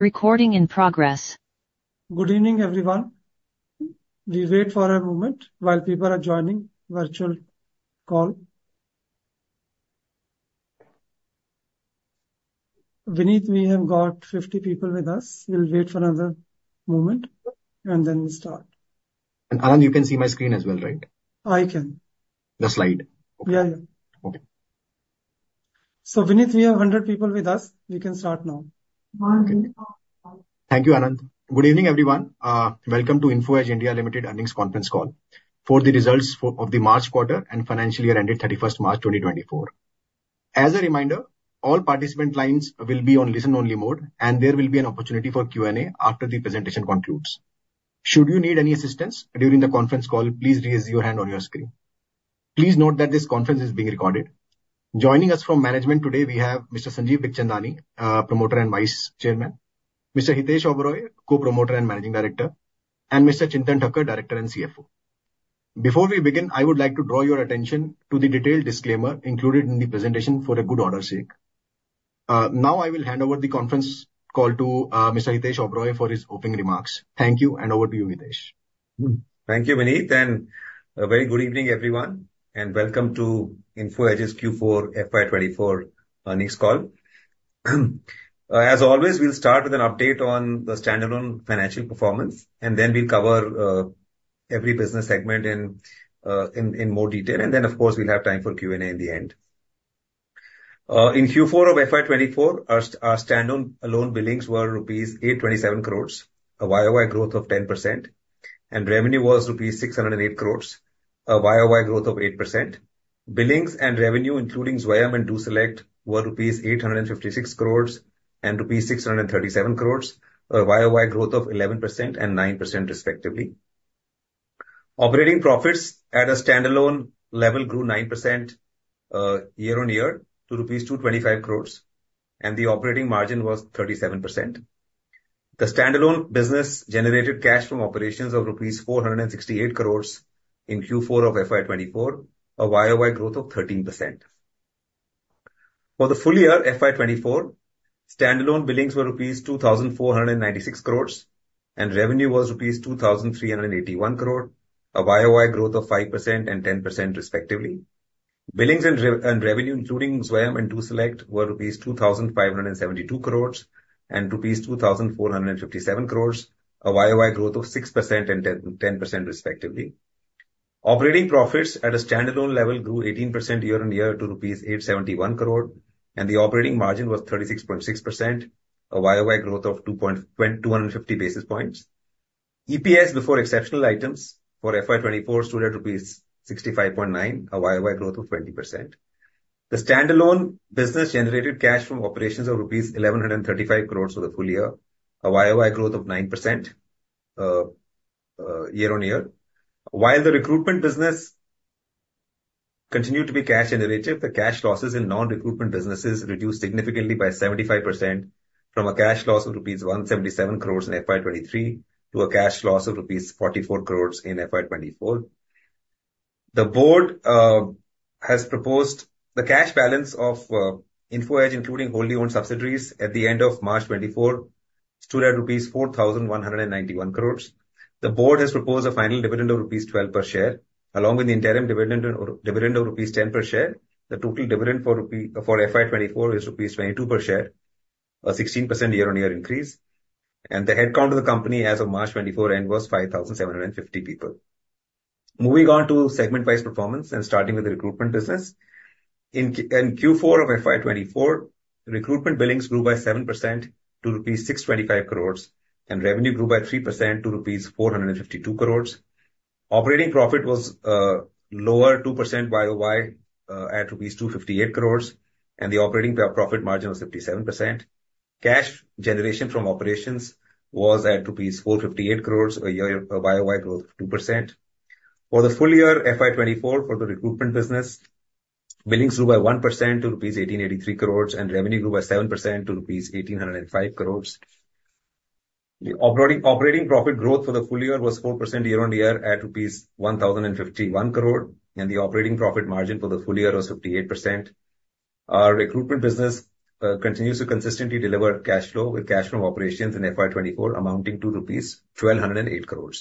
Good evening, everyone. We wait for a moment while people are joining virtual call. Vineet, we have got 50 people with us. We'll wait for another moment, and then we'll start. Anand, you can see my screen as well, right? I can. The slide. Yeah, yeah. Okay. Vineet, we have 100 people with us. We can start now. Thank you, Anand. Good evening, everyone. Welcome to Info Edge (India) Limited earnings conference call for the results of the March quarter and financial year ended 31st March 2024. As a reminder, all participant lines will be on listen-only mode, and there will be an opportunity for Q&A after the presentation concludes. Should you need any assistance during the conference call, please raise your hand on your screen. Please note that this conference is being recorded. Joining us from management today we have Mr. Sanjeev Bikhchandani, Promoter and Vice Chairman, Mr. Hitesh Oberoi, Co-Promoter and Managing Director, and Mr. Chintan Thakkar, Director and CFO. Before we begin, I would like to draw your attention to the detailed disclaimer included in the presentation for good order's sake. Now I will hand over the conference call to Mr. Hitesh Oberoi for his opening remarks. Thank you, and over to you, Hitesh. Thank you, Vineet, and a very good evening, everyone, and welcome to Info Edge's Q4 FY 2024 earnings call. As always, we'll start with an update on the standalone financial performance, and then we'll cover every business segment in more detail. Then, of course, we'll have time for Q&A in the end. In Q4 of FY 2024, our standalone billings were rupees 827 crore, a YOY growth of 10%, and revenue was rupees 608 crore, a YOY growth of 8%. Billings and revenue, including Zwayam and DoSelect, were rupees 856 crore and rupees 637 crore, a YOY growth of 11% and 9% respectively. Operating profits at a standalone level grew 9% year-on-year to rupees 225 crore, and the operating margin was 37%. The standalone business generated cash from operations of rupees 468 crore in Q4 of FY 2024, a YOY growth of 13%. For the full year FY 2024, standalone billings were rupees 2,496 crore, and revenue was rupees 2,381 crore, a YOY growth of 5% and 10% respectively. Billings and revenue, including Zwayam and DoSelect, were rupees 2,572 crore and rupees 2,457 crore, a YOY growth of 6% and 10% respectively. Operating profits at a standalone level grew 18% year-on-year to rupees 871 crore, and the operating margin was 36.6%, a YOY growth of 250 basis points. EPS before exceptional items for FY 2024 stood at rupees 65.9, a YOY growth of 20%. The standalone business generated cash from operations of rupees 1,135 crores for the full year, a YOY growth of 9%, year-on-year. While the recruitment business continued to be cash generative, the cash losses in non-recruitment businesses reduced significantly by 75% from a cash loss of rupees 177 crores in FY 2023, to a cash loss of rupees 44 crores in FY 2024. The board has proposed the cash balance of Info Edge, including wholly owned subsidiaries at the end of March 2024, stood at rupees 4,191 crores. The board has proposed a final dividend of rupees 12 per share, along with the interim dividend of rupees ten per share. The total dividend for FY 2024 is rupees 22 per share, a 16% year-on-year increase, and the headcount of the company as of March 2024 end was 5,750 people. Moving on to segment-wise performance and starting with the recruitment business. In Q4 of FY 2024, recruitment billings grew by 7% to rupees 625 crore, and revenue grew by 3% to rupees 452 crore. Operating profit was lower 2% YOY at rupees 258 crore, and the operating profit margin was 57%. Cash generation from operations was at rupees 458 crore, a YOY growth of 2%. For the full year FY 2024, for the recruitment business, billings grew by 1% to rupees 1,883 crore, and revenue grew by 7% to rupees 1,805 crore. The operating profit growth for the full year was 4% year-over-year at rupees 1,051 crore, and the operating profit margin for the full year was 58%. Our recruitment business continues to consistently deliver cash flow, with cash from operations in FY 2024 amounting to INR 1,208 crore.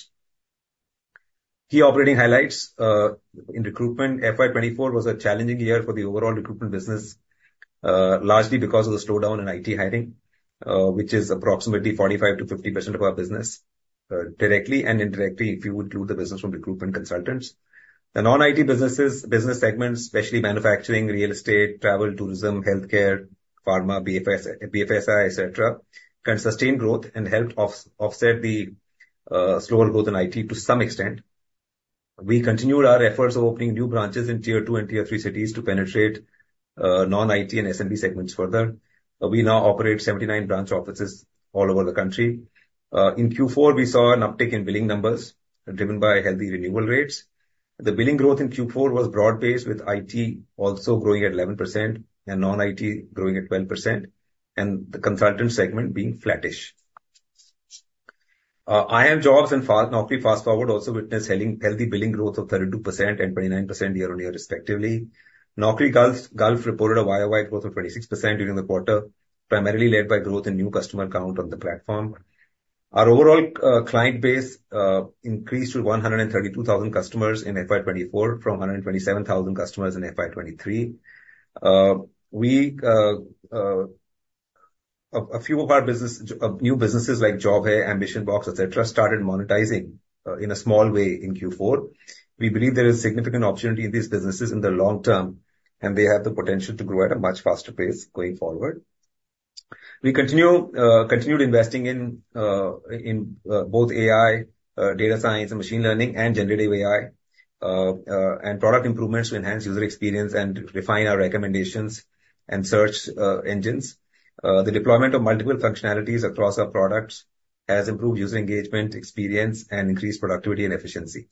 Key operating highlights in recruitment. FY 2024 was a challenging year for the overall recruitment business, largely because of the slowdown in IT hiring, which is approximately 45%-50% of our business, directly and indirectly, if you include the business from recruitment consultants. The non-IT businesses, business segments, especially manufacturing, real estate, travel, tourism, healthcare, pharma, BFSI, etc., can sustain growth and helped offset the slower growth in IT to some extent. We continued our efforts of opening new branches in Tier Two and Tier Three cities to penetrate non-IT and SMB segments further. We now operate 79 branch offices all over the country. In Q4, we saw an uptick in billing numbers, driven by healthy renewal rates. The billing growth in Q4 was broad-based, with IT also growing at 11% and non-IT growing at 12%, and the consultant segment being flattish. iimjobs and Naukri Fast Forward also witnessed healthy billing growth of 32% and 29% year-over-year respectively. Naukri Gulf reported a YOY growth of 26% during the quarter, primarily led by growth in new customer count on the platform. Our overall client base increased to 132,000 customers in FY 2024, from 127,000 customers in FY 2023. A few of our new businesses like Job Hai, AmbitionBox, et cetera, started monetizing in a small way in Q4. We believe there is significant opportunity in these businesses in the long term, and they have the potential to grow at a much faster pace going forward. We continued investing in both AI, data science and machine learning, and generative AI. And product improvements to enhance user experience and refine our recommendations and search engines. The deployment of multiple functionalities across our products has improved user engagement, experience and increased productivity and efficiency.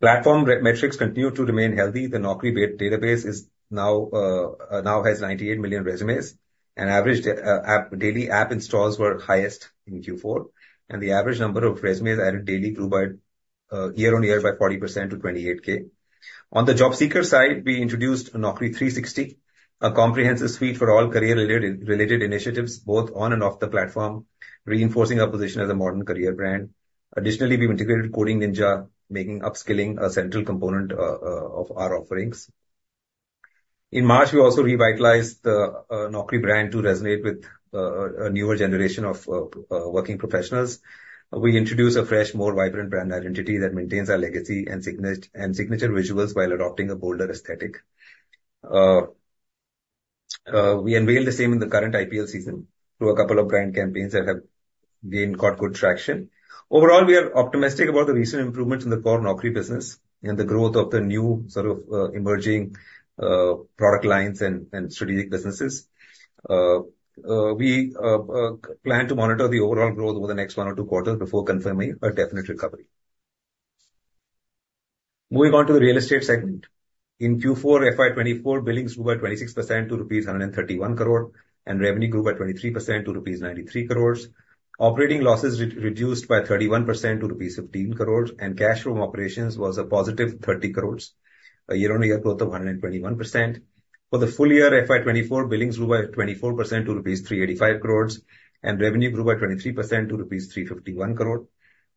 Platform metrics continue to remain healthy. The Naukri database now has 98 million resumes, and average daily app installs were highest in Q4, and the average number of resumes added daily grew by year-over-year by 40% to 28K. On the job seeker side, we introduced Naukri 360, a comprehensive suite for all career-related initiatives, both on and off the platform, reinforcing our position as a modern career brand. Additionally, we've integrated Coding Ninjas, making upskilling a central component of our offerings. In March, we also revitalized the Naukri brand to resonate with a newer generation of working professionals. We introduced a fresh, more vibrant brand identity that maintains our legacy and signature visuals while adopting a bolder aesthetic. We unveiled the same in the current IPL season through a couple of brand campaigns that have gained quite good traction. Overall, we are optimistic about the recent improvements in the core Naukri business and the growth of the new sort of emerging product lines and strategic businesses. We plan to monitor the overall growth over the next one or two quarters before confirming a definite recovery. Moving on to the real estate segment. In Q4 FY 2024, billings grew by 26% to rupees 131 crore, and revenue grew by 23% to rupees 93 crore. Operating losses reduced by 31% to rupees 15 crore, and cash from operations was a positive 30 crore, a year-over-year growth of 121%. For the full year, FY 2024, billings grew by 24% to rupees 385 crore, and revenue grew by 23% to rupees 351 crore.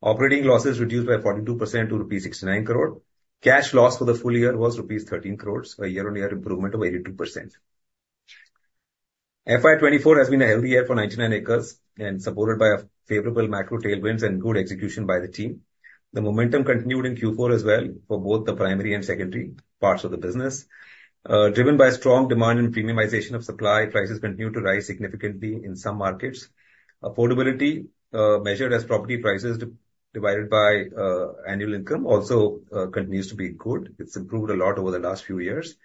Operating losses reduced by 42% to rupees 69 crore. Cash loss for the full year was rupees 13 crore, a year-on-year improvement of 82%. FY 2024 has been a healthy year for 99acres, and supported by a favorable macro tailwinds and good execution by the team. The momentum continued in Q4 as well for both the primary and secondary parts of the business. Driven by strong demand and premiumization of supply, prices continued to rise significantly in some markets. Affordability, measured as property prices divided by annual income, also continues to be good. It's improved a lot over the last few years.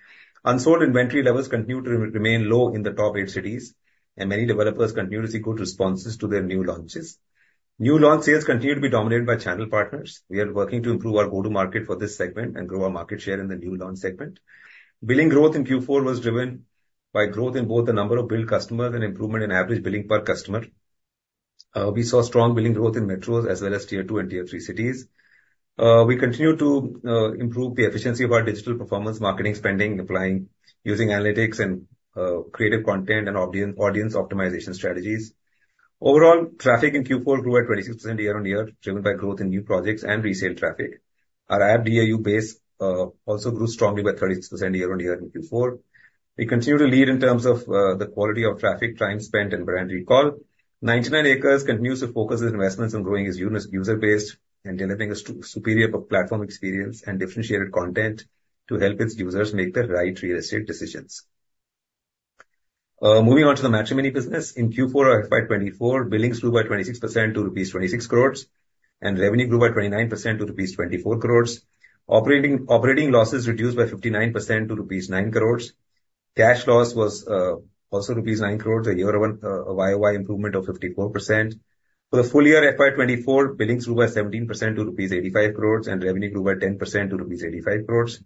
Unsold inventory levels continue to remain low in the top eight cities, and many developers continue to see good responses to their new launches. New launch sales continue to be dominated by channel partners. We are working to improve our go-to-market for this segment and grow our market share in the new launch segment. Billing growth in Q4 was driven by growth in both the number of billed customers and improvement in average billing per customer. We saw strong billing growth in metros as well as Tier Two and Tier Three cities. We continue to improve the efficiency of our digital performance marketing spending, applying using analytics and creative content and audience optimization strategies. Overall, traffic in Q4 grew at 26% year-over-year, driven by growth in new projects and resale traffic. Our app DAU base also grew strongly by 30% year-over-year in Q4. We continue to lead in terms of the quality of traffic, time spent and brand recall. 99acres continues to focus its investments on growing its user base and delivering a superior platform experience and differentiated content to help its users make the right real estate decisions. Moving on to the matrimony business. In Q4 of FY 2024, billings grew by 26% to rupees 26 crores, and revenue grew by 29% to rupees 24 crores. Operating losses reduced by 59% to rupees 9 crores. Cash loss was also rupees 9 crores, a YOY improvement of 54%. For the full year, FY 2024, billings grew by 17% to rupees 85 crores, and revenue grew by 10% to rupees 85 crores.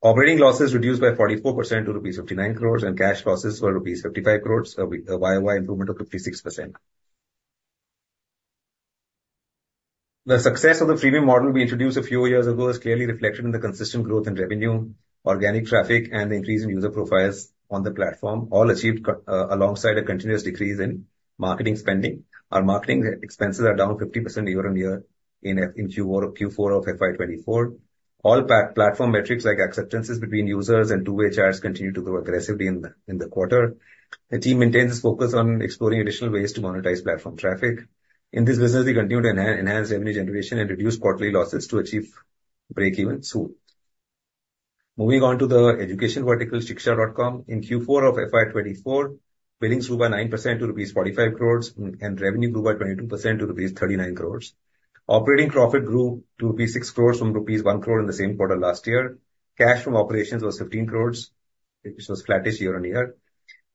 Operating losses reduced by 44% to rupees 59 crore, and cash losses were rupees 55 crore, a YOY improvement of 56%. The success of the premium model we introduced a few years ago is clearly reflected in the consistent growth in revenue, organic traffic, and the increase in user profiles on the platform, all achieved alongside a continuous decrease in marketing spending. Our marketing expenses are down 50% year-on-year in Q4 of FY 2024. All platform metrics, like acceptances between users and two-way chats, continued to grow aggressively in the quarter. The team maintains its focus on exploring additional ways to monetize platform traffic. In this business, we continue to enhance revenue generation and reduce quarterly losses to achieve breakeven soon. Moving on to the education vertical, Shiksha.com. In Q4 of FY 2024, billings grew by 9% to rupees 45 crore, and revenue grew by 22% to rupees 39 crore. Operating profit grew to rupees 6 crore from rupees 1 crore in the same quarter last year. Cash from operations was 15 crore, which was flattish year-on-year.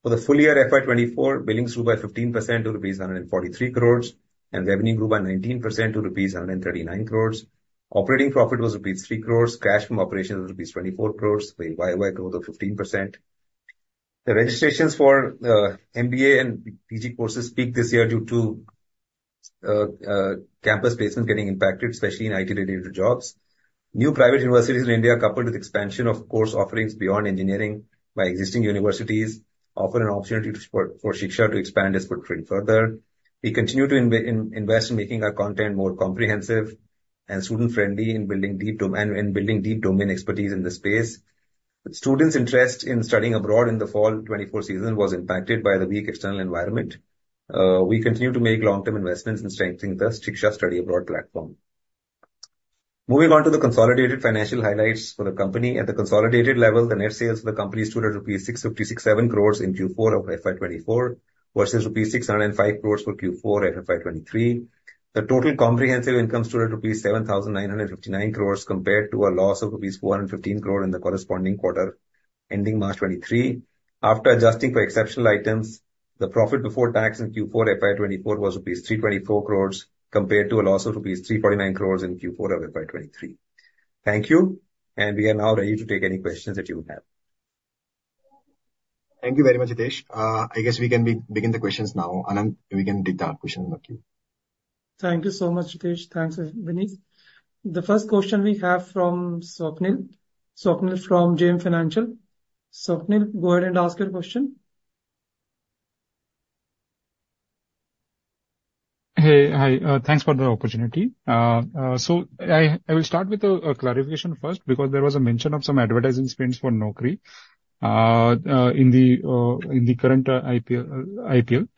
For the full year, FY 2024, billings grew by 15% to rupees 143 crore, and revenue grew by 19% to rupees 139 crore. Operating profit was rupees 3 crore. Cash from operations, rupees 24 crore, a YOY growth of 15%. The registrations for MBA and PG courses peaked this year due to campus placements getting impacted, especially in IT related jobs. New private universities in India, coupled with expansion of course offerings beyond engineering by existing universities, offer an opportunity for Shiksha to expand its footprint further. We continue to invest in making our content more comprehensive and student friendly, in building deep domain expertise in this space. But students' interest in studying abroad in the fall 2024 season was impacted by the weak external environment. We continue to make long-term investments in strengthening the Shiksha study abroad platform. Moving on to the consolidated financial highlights for the company. At the consolidated level, the net sales for the company stood at rupees 656.7 crore in Q4 of FY 2024, versus rupees 605 crore for Q4 FY 2023. The total comprehensive income stood at rupees 7,959 crore, compared to a loss of rupees 415 crore in the corresponding quarter ending March 2023. After adjusting for exceptional items, the profit before tax in Q4 FY 2024 was rupees 324 crore, compared to a loss of rupees 349 crore in Q4 of FY 2023. Thank you, and we are now ready to take any questions that you have. Thank you very much, Hitesh. I guess we can begin the questions now. Anand, we can take the questions in the queue. Thank you so much, Hitesh. Thanks, Vineet. The first question we have from Swapnil. Swapnil from JM Financial. Swapnil, go ahead and ask your question. Hey. Hi, thanks for the opportunity. So I will start with a clarification first, because there was a mention of some advertising spends for Naukri in the current IPL.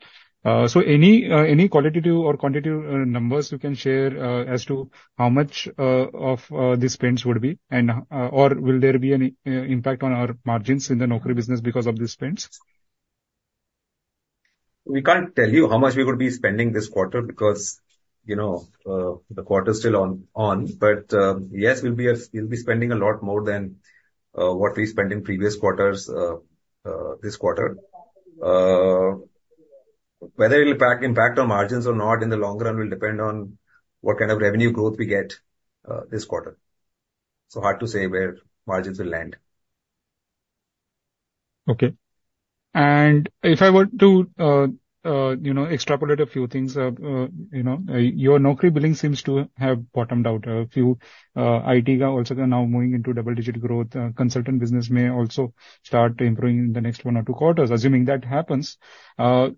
So any qualitative or quantitative numbers you can share as to how much of the spends would be, and or will there be any impact on our margins in the Naukri business because of the spends? We can't tell you how much we're going to be spending this quarter because, you know, the quarter is still on. But, yes, we'll be spending a lot more than what we spent in previous quarters, this quarter. Whether it'll have an impact on margins or not in the long run will depend on what kind of revenue growth we get, this quarter. So hard to say where margins will land. Okay. And if I were to, you know, extrapolate a few things, you know, your Naukri billing seems to have bottomed out. A few IT are also now moving into double-digit growth. Consultant business may also start improving in the next one or two quarters. Assuming that happens, how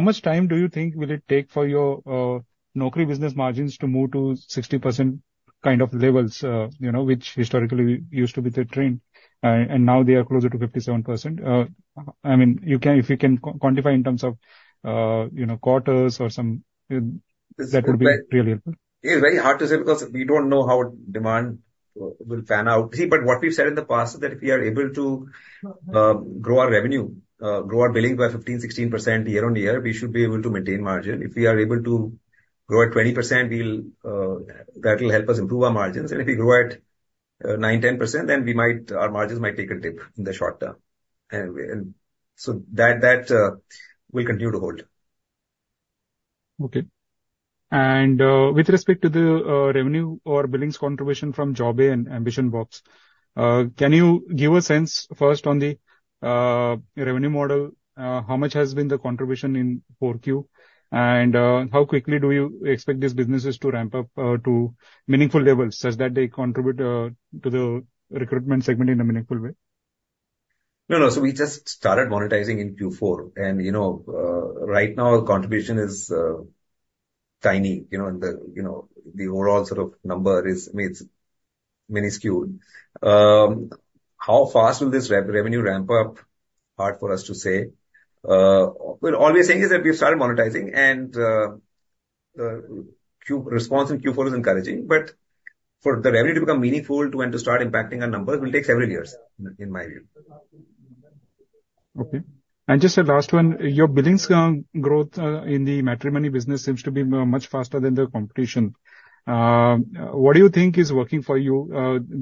much time do you think will it take for your Naukri business margins to move to 60% kind of levels? You know, which historically used to be the trend, and now they are closer to 57%. I mean, you can, if you can quantify in terms of, you know, quarters or some, that would be really helpful. It is very hard to say, because we don't know how demand will pan out. See, but what we've said in the past is that if we are able to grow our revenue, grow our billing by 15-16% year-over-year, we should be able to maintain margin. If we are able to grow at 20%, we'll, that will help us improve our margins. And if we grow at 9-10%, then we might, our margins might take a dip in the short term. And we, and so that, that will continue to hold. Okay. And, with respect to the, revenue or billings contribution from JobHai and AmbitionBox, can you give a sense, first on the, revenue model? How much has been the contribution in Q4? And, how quickly do you expect these businesses to ramp up, to meaningful levels, such that they contribute, to the recruitment segment in a meaningful way? No, no. So we just started monetizing in Q4. And, you know, right now, contribution is tiny, you know, in the, you know, the overall sort of number is, I mean, it's minuscule. How fast will this revenue ramp up? Hard for us to say. Well, all we're saying is that we've started monetizing and the response in Q4 is encouraging, but for the revenue to become meaningful, too, and to start impacting our numbers, will take several years, in my view. Okay. And just a last one. Your billings growth in the matrimony business seems to be much faster than the competition. What do you think is working for you?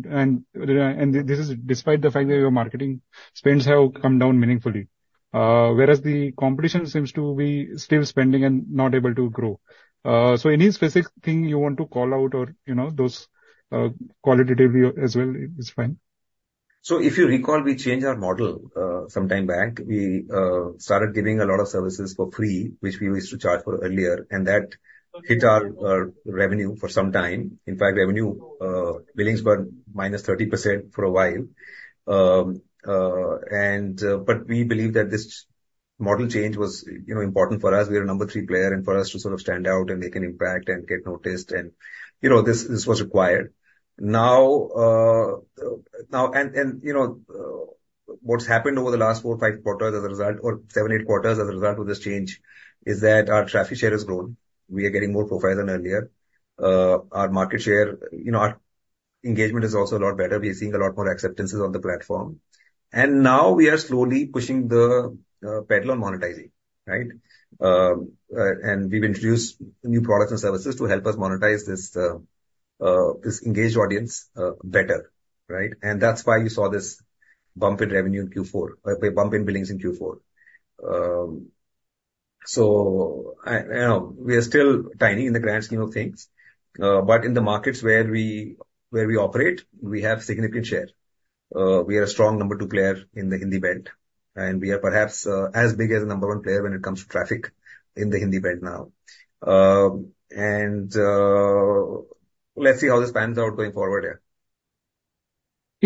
And this is despite the fact that your marketing spends have come down meaningfully, whereas the competition seems to be still spending and not able to grow. So any specific thing you want to call out or, you know, those qualitative view as well is fine. So if you recall, we changed our model some time back. We started giving a lot of services for free, which we used to charge for earlier, and that hit our revenue for some time. In fact, revenue billings were -30% for a while. But we believe that this model change was, you know, important for us. We are number 3 player, and for us to sort of stand out and make an impact and get noticed, and, you know, this was required. Now, and, you know, what's happened over the last 4, 5 quarters as a result, or 7, 8 quarters, as a result of this change, is that our traffic share has grown. We are getting more profiles than earlier. Our market share, you know, our engagement is also a lot better. We are seeing a lot more acceptances on the platform. And now we are slowly pushing the pedal on monetizing, right? And we've introduced new products and services to help us monetize this engaged audience better, right? And that's why you saw this bump in revenue in Q4, bump in billings in Q4. So, I, you know, we are still tiny in the grand scheme of things. But in the markets where we operate, we have significant share. We are a strong number two player in the Hindi belt, and we are perhaps as big as the number one player when it comes to traffic in the Hindi belt now. And let's see how this pans out going forward, yeah.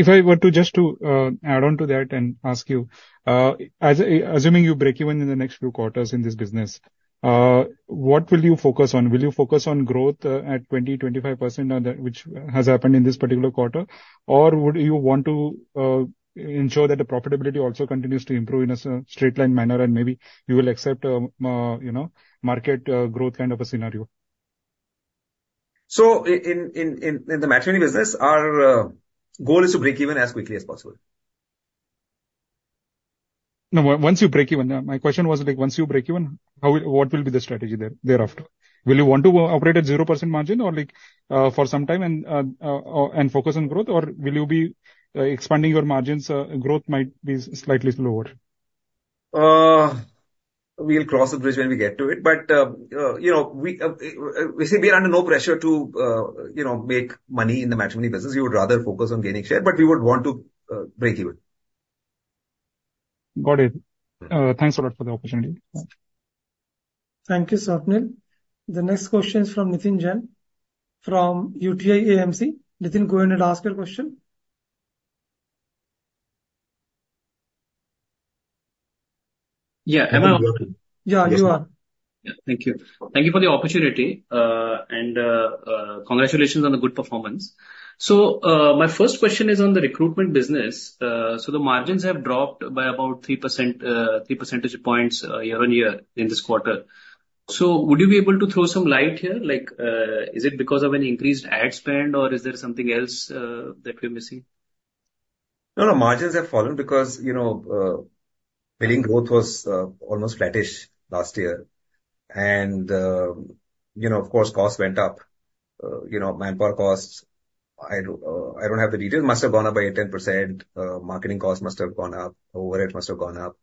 If I were to just to add on to that and ask you, as assuming you break even in the next few quarters in this business, what will you focus on? Will you focus on growth at 20-25% that which has happened in this particular quarter? Or would you want to ensure that the profitability also continues to improve in a straight line manner, and maybe you will accept, you know, market growth kind of a scenario? So in the matrimony business, our goal is to break even as quickly as possible. No, once you break even. Yeah, my question was, like, once you break even, how will—what will be the strategy thereafter? Will you want to operate at 0% margin or, like, for some time and, and focus on growth? Or will you be expanding your margins, growth might be slightly slower? We'll cross the bridge when we get to it. But, you know, we, we say we are under no pressure to, you know, make money in the matrimony business. We would rather focus on gaining share, but we would want to break even. Got it. Thanks a lot for the opportunity. Thank you, Swapnil. The next question is from Nitin Jain, from UTI AMC. Nitin, go ahead and ask your question. Yeah, am I on? Yeah, you are. Yeah. Thank you. Thank you for the opportunity. And, congratulations on the good performance. So, my first question is on the recruitment business. So the margins have dropped by about 3%, three percentage points, year-on-year in this quarter. So would you be able to throw some light here, like, is it because of an increased ad spend, or is there something else that we're missing? No, no, margins have fallen because, you know, billing growth was almost flattish last year. You know, of course, costs went up. You know, manpower costs, I don't have the details, must have gone up by 10%, marketing costs must have gone up, overhead must have gone up.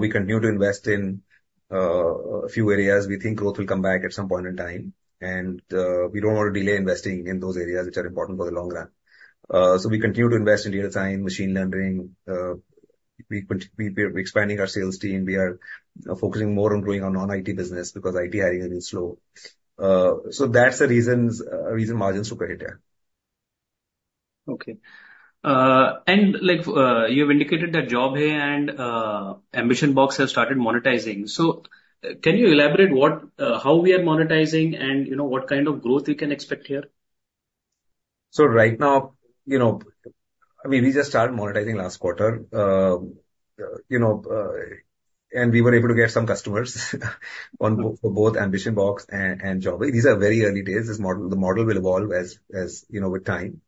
We continue to invest in a few areas. We think growth will come back at some point in time, and we don't want to delay investing in those areas which are important for the long run. So we continue to invest in data science, machine learning, we're expanding our sales team. We are focusing more on growing our non-IT business because IT hiring has been slow. So that's the reason margins look like they are. Okay. Like, you've indicated that JobHai and AmbitionBox have started monetizing. So can you elaborate what, how we are monetizing and, you know, what kind of growth we can expect here? So right now, you know, I mean, we just started monetizing last quarter. You know, and we were able to get some customers, on both, both AmbitionBox and, and JobHai. These are very early days. This model, the model will evolve as, as, you know, with time.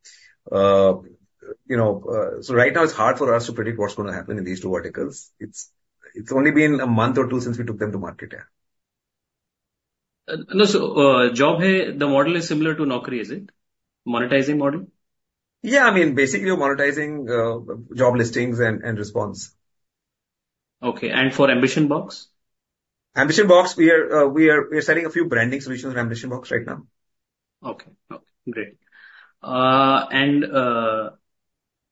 You know, so right now it's hard for us to predict what's going to happen in these two verticals. It's, it's only been a month or two since we took them to market here. No, so, JobHai, the model is similar to Naukri, is it? Monetizing model. Yeah, I mean, basically, we're monetizing job listings and response. Okay. And for AmbitionBox? AmbitionBox, we are selling a few branding solutions on AmbitionBox right now. Okay. Okay, great. And,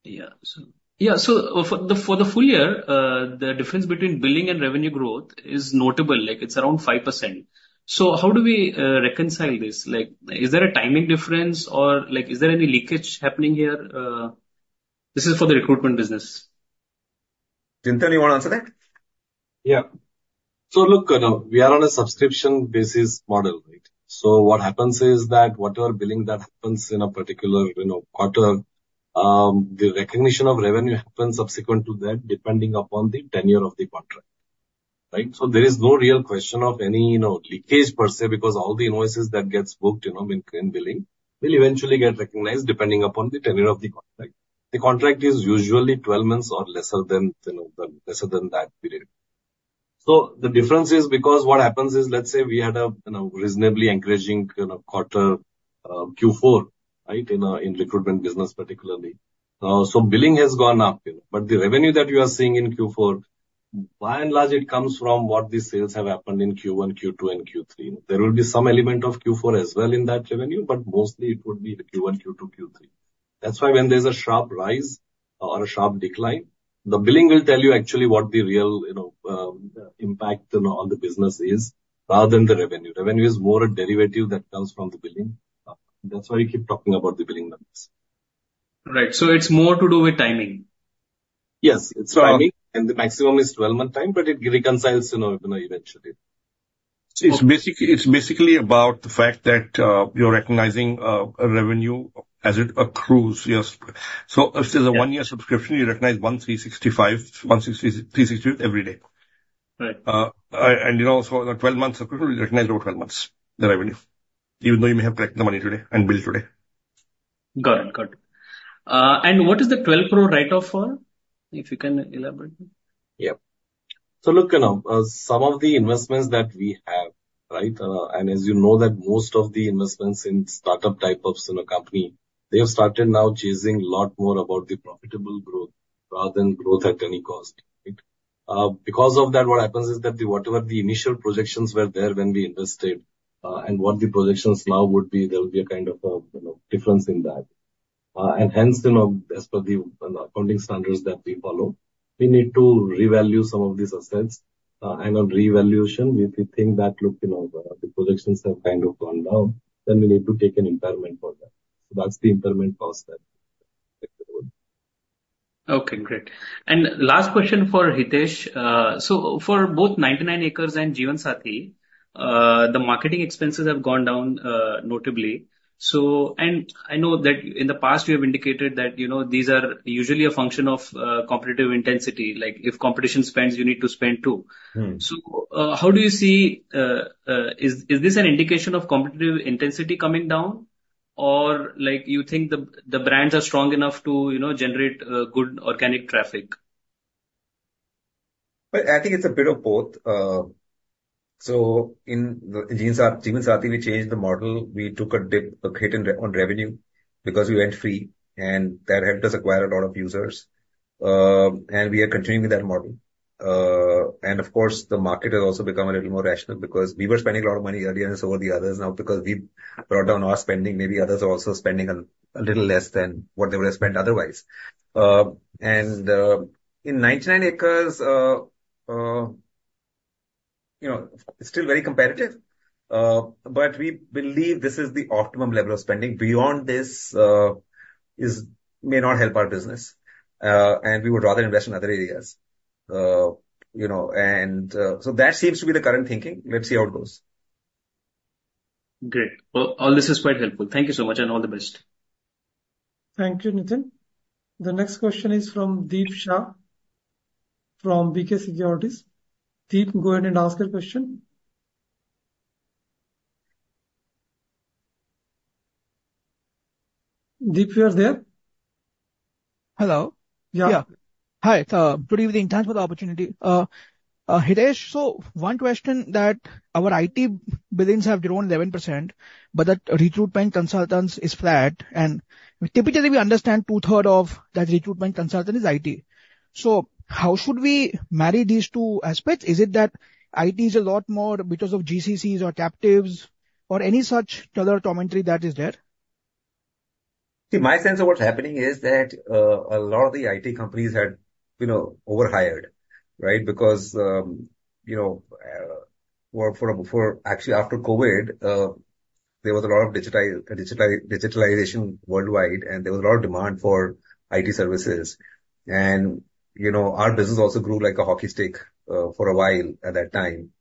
yeah, so... Yeah, so for the full year, the difference between billing and revenue growth is notable, like, it's around 5%. So how do we reconcile this? Like, is there a timing difference, or like, is there any leakage happening here? This is for the recruitment business. Chintan, you want to answer that? Yeah. So look, we are on a subscription basis model, right? So what happens is that whatever billing that happens in a particular, you know, quarter, the recognition of revenue happens subsequent to that, depending upon the tenure of the contract, right? So there is no real question of any, you know, leakage per se, because all the invoices that gets booked, you know, in, in billing, will eventually get recognized depending upon the tenure of the contract. The contract is usually 12 months or lesser than, you know, lesser than that period. So the difference is because what happens is, let's say we had a, you know, reasonably encouraging, you know, quarter, Q4, right, in, in recruitment business, particularly. So billing has gone up, you know, but the revenue that you are seeing in Q4, by and large, it comes from what the sales have happened in Q1, Q2, and Q3. There will be some element of Q4 as well in that revenue, but mostly it would be the Q1, Q2, Q3. That's why when there's a sharp rise or a sharp decline, the billing will tell you actually what the real, you know, impact, you know, on the business is, rather than the revenue. Revenue is more a derivative that comes from the billing. That's why we keep talking about the billing numbers. Right. So it's more to do with timing. Yes, it's timing, and the maximum is 12-month time, but it reconciles, you know, you know, eventually. It's basically, it's basically about the fact that you're recognizing revenue as it accrues. Yes. So if there's a one-year subscription, you recognize 1/365, 1/365th every day. Right. And, you know, so the 12 months subscription, we recognize over 12 months, the revenue, even though you may have collected the money today and billed today. Got it. Got it. What is the 12% write-off for? If you can elaborate. Yeah. So look, you know, some of the investments that we have, right? And as you know that most of the investments in startup type of, you know, company, they have started now chasing a lot more about the profitable growth.... rather than growth at any cost, right? Because of that, what happens is that the, whatever the initial projections were there when we invested, and what the projections now would be, there will be a kind of, you know, difference in that. And hence, you know, as per the, accounting standards that we follow, we need to revalue some of these assets. And on revaluation, if we think that, look, you know, the projections have kind of gone down, then we need to take an impairment for that. So that's the impairment cost there. Okay, great. And last question for Hitesh. So for both 99acres.com and Jeevansathi.com, the marketing expenses have gone down notably. So... And I know that in the past you have indicated that, you know, these are usually a function of competitive intensity, like if competition spends, you need to spend, too. Mm. How do you see, is this an indication of competitive intensity coming down? Or like you think the brands are strong enough to, you know, generate good organic traffic? Well, I think it's a bit of both. So in the Jeevansathi, we changed the model. We took a dip, a hit on revenue because we went free, and that helped us acquire a lot of users. And we are continuing with that model. And of course, the market has also become a little more rational because we were spending a lot of money earlier, and so were the others. Now, because we brought down our spending, maybe others are also spending a little less than what they would have spent otherwise. And in 99acres, you know, it's still very competitive, but we believe this is the optimum level of spending. Beyond this, may not help our business, and we would rather invest in other areas. You know, and, so that seems to be the current thinking. Let's see how it goes. Great. Well, all this is quite helpful. Thank you so much, and all the best. Thank you, Nitin. The next question is from Deep Shah, from BK Securities. Deep, go ahead and ask your question. Deep, you are there? Hello. Yeah. Yeah. Hi, good evening. Thanks for the opportunity. Hitesh, so one question that our IT billings have grown 11%, but that recruitment consultants is flat, and typically, we understand two-thirds of that recruitment consultant is IT. So how should we marry these two aspects? Is it that IT is a lot more because of GCCs or captives, or any such color commentary that is there? See, my sense of what's happening is that a lot of the IT companies had, you know, overhired, right? Because, you know, actually, after COVID, there was a lot of digitalization worldwide, and there was a lot of demand for IT services. And, you know, our business also grew like a hockey stick for a while at that time,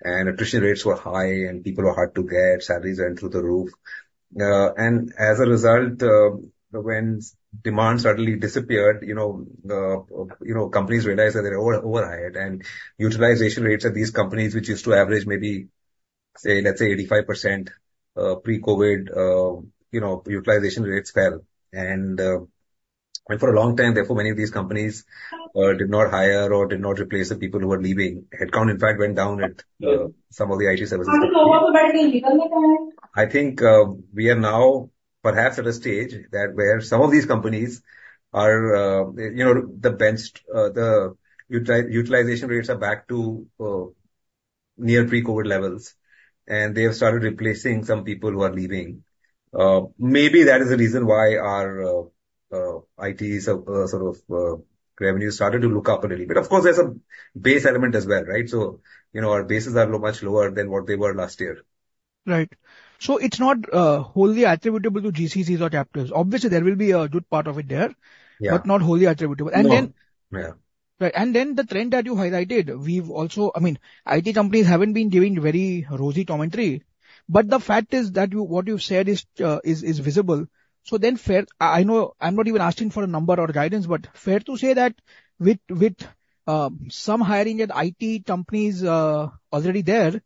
and attrition rates were high, and people were hard to get, salaries went through the roof. And as a result, when demand suddenly disappeared, you know, the, you know, companies realized that they were overhired. And utilization rates at these companies, which used to average, maybe, say, let's say 85%, pre-COVID, you know, utilization rates fell. For a long time, therefore, many of these companies did not hire or did not replace the people who were leaving. Headcount, in fact, went down at some of the IT services. I think we are now perhaps at a stage where some of these companies are, you know, the bench utilization rates are back to near pre-COVID levels, and they have started replacing some people who are leaving. Maybe that is the reason why our IT sort of revenue started to look up a little bit. Of course, there's a base element as well, right? So, you know, our bases are much lower than what they were last year. Right. So it's not wholly attributable to GCCs or captives. Obviously, there will be a good part of it there- Yeah. but not wholly attributable. No. And then- Yeah. Right. And then, the trend that you highlighted, we've also... I mean, IT companies haven't been giving very rosy commentary, but the fact is that what you've said is visible. So then, fair, I know I'm not even asking for a number or guidance, but fair to say that with some hiring at IT companies already there,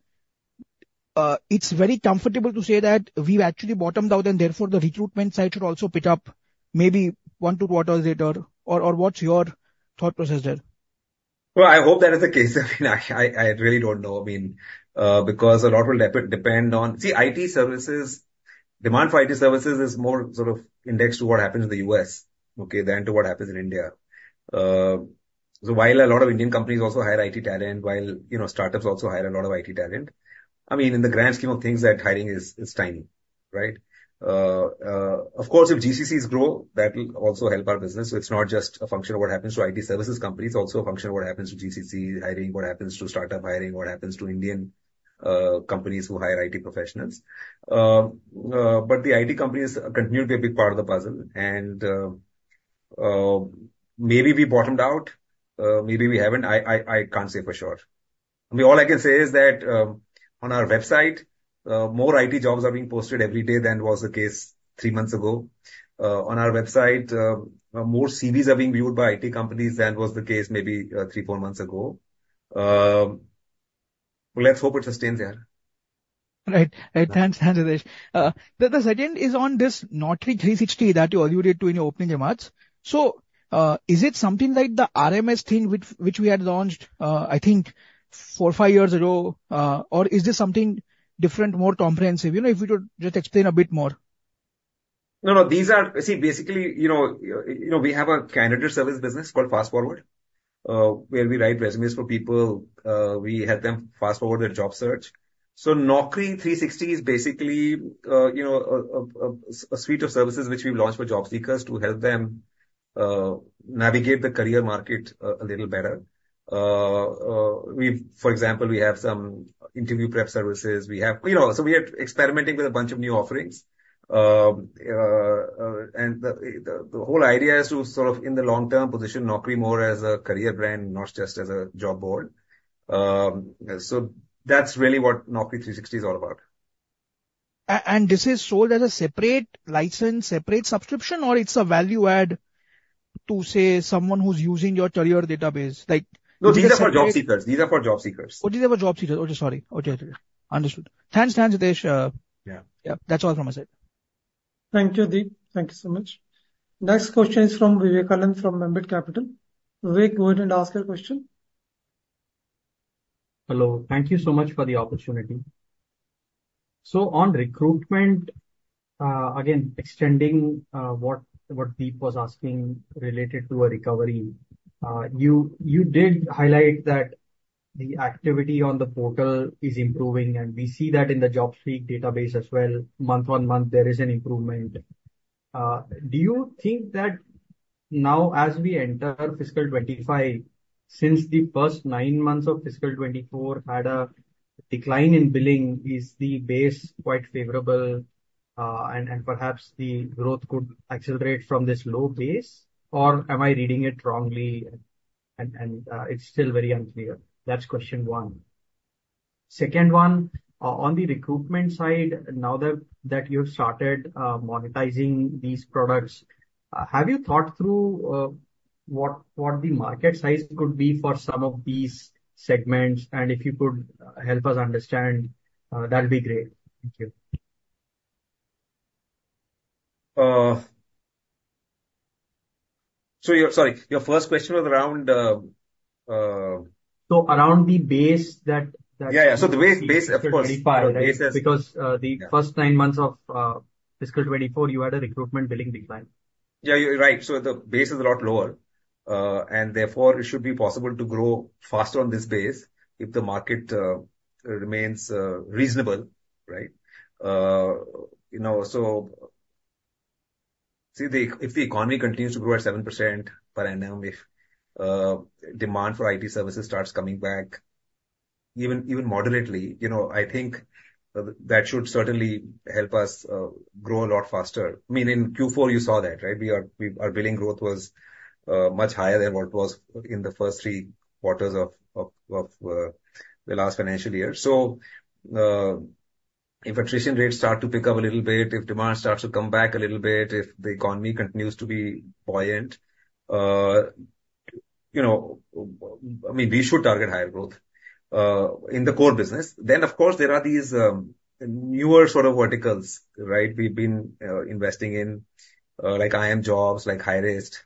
it's very comfortable to say that we've actually bottomed out, and therefore the recruitment side should also pick up maybe one, two quarters later or what's your thought process there? Well, I hope that is the case. I really don't know. I mean, because a lot will depend on... See, IT services, demand for IT services is more sort of indexed to what happens in the U.S., okay, than to what happens in India. So while a lot of Indian companies also hire IT talent, you know, startups also hire a lot of IT talent, I mean, in the grand scheme of things, that hiring is tiny, right? Of course, if GCCs grow, that will also help our business. So it's not just a function of what happens to IT services companies, it's also a function of what happens to GCC hiring, what happens to startup hiring, what happens to Indian companies who hire IT professionals. But the IT companies continue to be a big part of the puzzle, and maybe we bottomed out, maybe we haven't. I can't say for sure. I mean, all I can say is that on our website, more IT jobs are being posted every day than was the case three months ago. On our website, more CVs are being viewed by IT companies than was the case maybe three, four months ago. Let's hope it sustains there. Right. Right. Thanks. Thanks, Hitesh. The second is on this Naukri 360 that you alluded to in your opening remarks. So, is it something like the RMS thing which we had launched, I think 4-5 years ago? Or is this something different, more comprehensive? You know, if you could just explain a bit more. ...No, no, these are—see, basically, you know, you know, we have a candidate service business called Fast Forward, where we write resumes for people, we help them fast forward their job search. So Naukri 360 is basically, you know, a suite of services which we've launched for job seekers to help them, navigate the career market a little better. We've—for example, we have some interview prep services. We have, you know, so we are experimenting with a bunch of new offerings. And the whole idea is to sort of, in the long term, position Naukri more as a career brand, not just as a job board. So that's really what Naukri 360 is all about. this is sold as a separate license, separate subscription, or it's a value add to, say, someone who's using your career database? Like- No, these are for job seekers. These are for job seekers. Oh, these are for job seekers. Okay, sorry. Okay, understood. Thanks, Hitesh. Yeah. Yeah, that's all from my side. Thank you, Deep. Thank you so much. Next question is from Vivek Anand, from Ambit Capital. Vivek, go ahead and ask your question. Hello. Thank you so much for the opportunity. So on recruitment, again, extending what Deep was asking related to a recovery, you did highlight that the activity on the portal is improving, and we see that in the job seeker database as well. Month-on-month, there is an improvement. Do you think that now as we enter fiscal 2025, since the first nine months of fiscal 2024 had a decline in billing, is the base quite favorable, and perhaps the growth could accelerate from this low base? Or am I reading it wrongly and it's still very unclear? That's question one. Second one, on the recruitment side, now that you've started monetizing these products, have you thought through what the market size could be for some of these segments? If you could help us understand, that'd be great. Thank you. So your... Sorry, your first question was around... So around the base that Yeah, yeah. So the base, of course. Because the first nine months of fiscal 2024, you had a recruitment billing decline. Yeah, you're right. So the base is a lot lower, and therefore it should be possible to grow faster on this base if the market remains reasonable, right? You know, so see, if the economy continues to grow at 7% per annum, if demand for IT services starts coming back, even moderately, you know, I think that should certainly help us grow a lot faster. I mean, in Q4, you saw that, right? Our billing growth was much higher than what it was in the first three quarters of the last financial year. So, if attrition rates start to pick up a little bit, if demand starts to come back a little bit, if the economy continues to be buoyant, you know, I mean, we should target higher growth in the core business. Then, of course, there are these newer sort of verticals, right? We've been investing in, like iimjobs, like Hirist,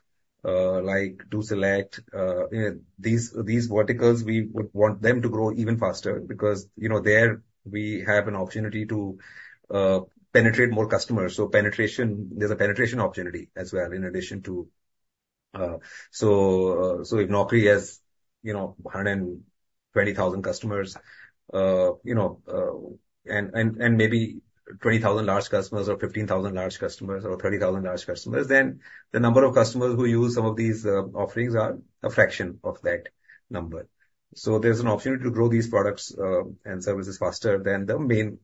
like DoSelect, you know, these verticals, we would want them to grow even faster because, you know, there we have an opportunity to penetrate more customers. So penetration, there's a penetration opportunity as well, in addition to... So if Naukri has, you know, 120,000 customers, and maybe 20,000 large customers or 15,000 large customers or 30,000 large customers, then the number of customers who use some of these offerings are a fraction of that number. So there's an opportunity to grow these products and services faster than the main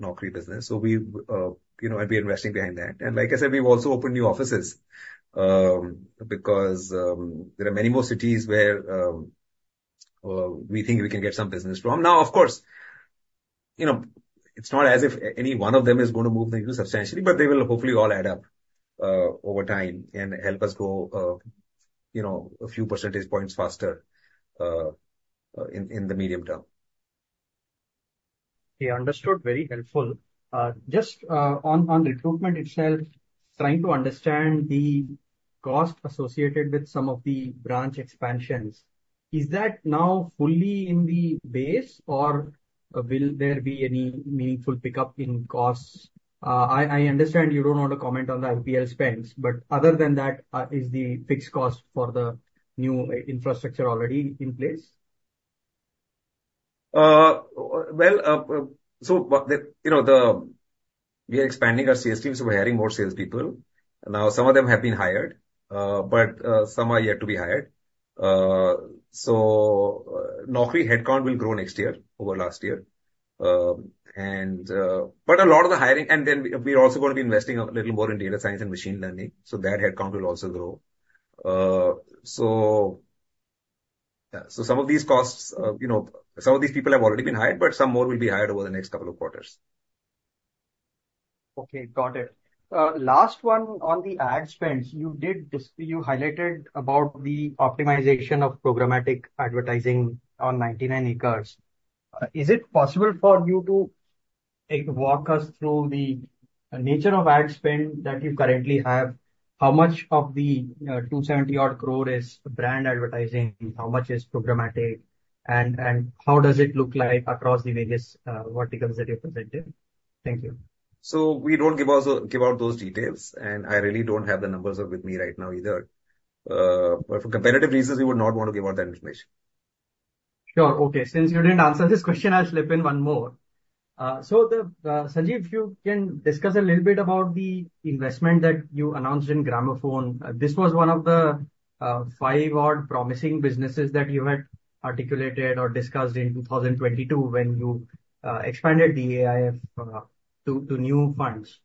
Naukri business. So we, you know, I'd be investing behind that. And like I said, we've also opened new offices because there are many more cities where we think we can get some business from. Now, of course, you know, it's not as if any one of them is going to move the needle substantially, but they will hopefully all add up, over time and help us grow, you know, a few percentage points faster, in the medium term. Okay, understood. Very helpful. Just, on, on recruitment itself, trying to understand the cost associated with some of the branch expansions. Is that now fully in the base, or will there be any meaningful pickup in costs? I understand you don't want to comment on the IPL spends, but other than that, is the fixed cost for the new infrastructure already in place? Well, so, you know, we are expanding our sales team, so we're hiring more salespeople. Now, some of them have been hired, but some are yet to be hired. So, Naukri headcount will grow next year over last year. But a lot of the hiring, and then we're also going to be investing a little more in data science and machine learning, so that headcount will also grow. So yeah, so some of these costs, you know, some of these people have already been hired, but some more will be hired over the next couple of quarters. Okay, got it. Last one, on the ad spends, you did you highlighted about the optimization of programmatic advertising on 99acres. Is it possible for you to, like, walk us through the nature of ad spend that you currently have? How much of the, two seventy odd crore is brand advertising? How much is programmatic? And, and how does it look like across the various, verticals that you're presented? Thank you. So we don't give out, give out those details, and I really don't have the numbers with me right now either. But for competitive reasons, we would not want to give out that information. Sure. Okay. Since you didn't answer this question, I'll slip in one more. So, Sanjeev, you can discuss a little bit about the investment that you announced in Gramophone. This was one of the five odd promising businesses that you had articulated or discussed in 2022, when you expanded the AIF to new funds.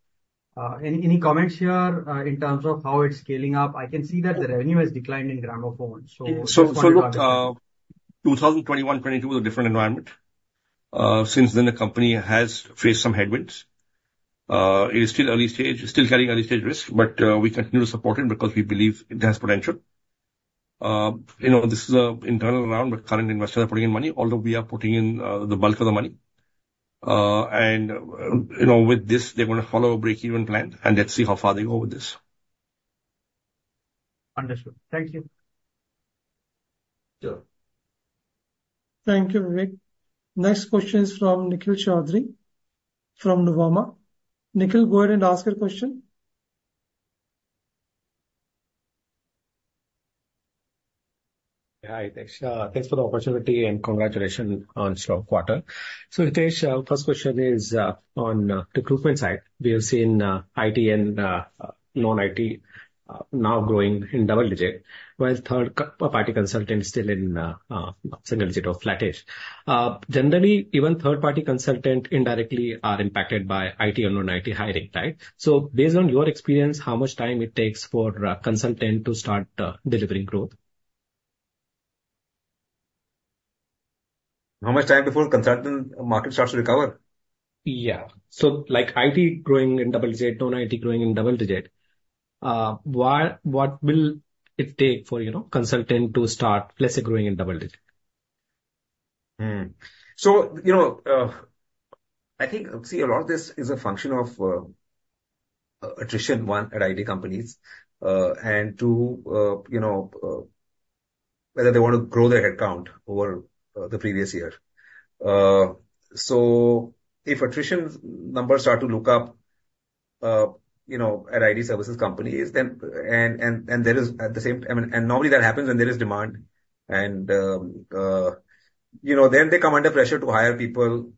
Any comments here in terms of how it's scaling up? I can see that the revenue has declined in Gramophone, so- So, so look, 2021, 2022 was a different environment. Since then the company has faced some headwinds. It is still early stage, still carrying early stage risk, but, we continue to support it because we believe it has potential. You know, this is an internal round, where current investors are putting in money, although we are putting in, the bulk of the money. And, you know, with this, they're gonna follow a break even plan, and let's see how far they go with this. Understood. Thank you. Sure. Thank you, Vivek. Next question is from Nikhil Choudhary, from Nuvama. Nikhil, go ahead and ask your question. Hi, Hitesh. Thanks for the opportunity, and congratulations on a strong quarter. So, Hitesh, first question is, on recruitment side. We have seen, IT and, non-IT, now growing in double digit, while third-party consultants still in, single digit or flattish. Generally, even third-party consultant indirectly are impacted by IT and non-IT hiring, right? So based on your experience, how much time it takes for, consultant to start, delivering growth? How much time before consultant market starts to recover? Yeah. So, like, IT growing in double digit, non-IT growing in double digit. What will it take for, you know, consultant to start, let's say, growing in double digit? Hmm. So, you know, I think, see, a lot of this is a function of attrition, one, at IT companies. And two, you know, whether they want to grow their headcount over the previous year. So if attrition numbers start to look up, you know, at IT services companies, then... And there is at the same time, normally that happens when there is demand, and, you know, then they come under pressure to hire people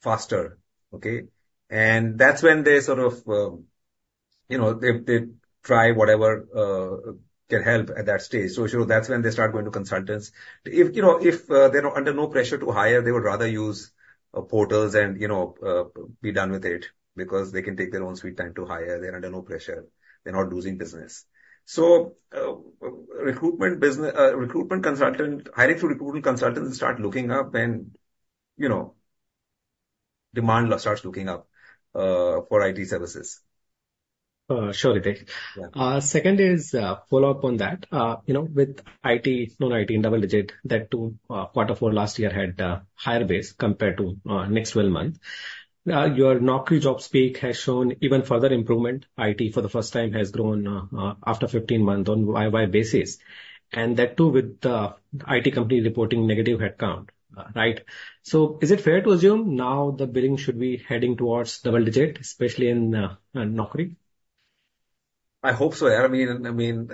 faster, okay? And that's when they sort of, you know, they try whatever can help at that stage. So that's when they start going to consultants. If, you know, if, they're under no pressure to hire, they would rather use, portals and, you know, be done with it, because they can take their own sweet time to hire. They're under no pressure. They're not losing business. So, recruitment business, recruitment consultant, hiring through recruitment consultants start looking up, then, you know, demand starts looking up, for IT services. Sure, Hitesh. Yeah. Second is, follow-up on that. You know, with IT, non-IT in double digit, that too, quarter four last year had, higher base compared to, next 12 month. Your Naukri jobs peak has shown even further improvement. IT, for the first time, has grown, after 15 months on YOY basis, and that too, with the IT company reporting negative headcount, right? So is it fair to assume now the billing should be heading towards double digit, especially in, Naukri? I hope so. I mean,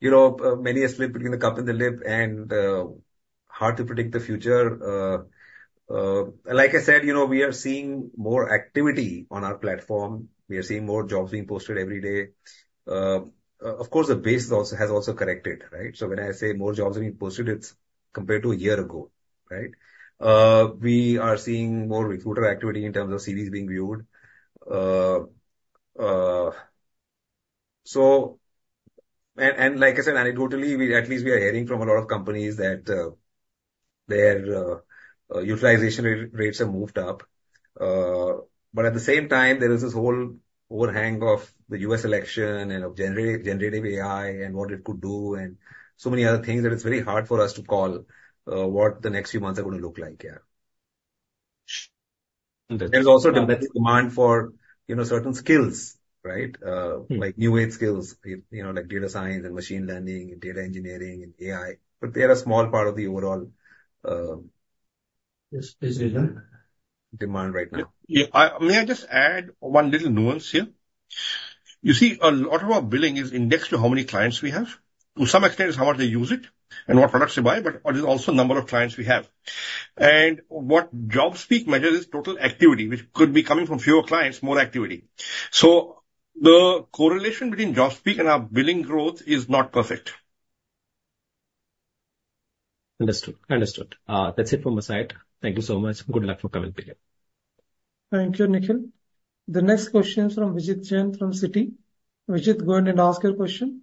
you know, many are still putting the cup in the lip and hard to predict the future. Like I said, you know, we are seeing more activity on our platform. We are seeing more jobs being posted every day. Of course, the base also has also corrected, right? So when I say more jobs are being posted, it's compared to a year ago, right? We are seeing more recruiter activity in terms of CVs being viewed. So and like I said, anecdotally, at least we are hearing from a lot of companies that their utilization rates have moved up. But at the same time, there is this whole overhang of the U.S. election and of generative AI and what it could do and so many other things, that it's very hard for us to call what the next few months are going to look like, yeah. Understood. There's also demand for, you know, certain skills, right? Like new age skills, you know, like data science and machine learning, data engineering and AI, but they are a small part of the overall, Yes, decision. Demand right now. Yeah. May I just add one little nuance here? You see, a lot of our billing is indexed to how many clients we have. To some extent, it's how much they use it and what products they buy, but it is also the number of clients we have. And what jobs peak measures is total activity, which could be coming from fewer clients, more activity. So the correlation between jobs peak and our billing growth is not perfect. Understood. Understood. That's it from my side. Thank you so much. Good luck for coming here. Thank you, Nikhil. The next question is from Vijit Jain from Citi. Vijit, go ahead and ask your question.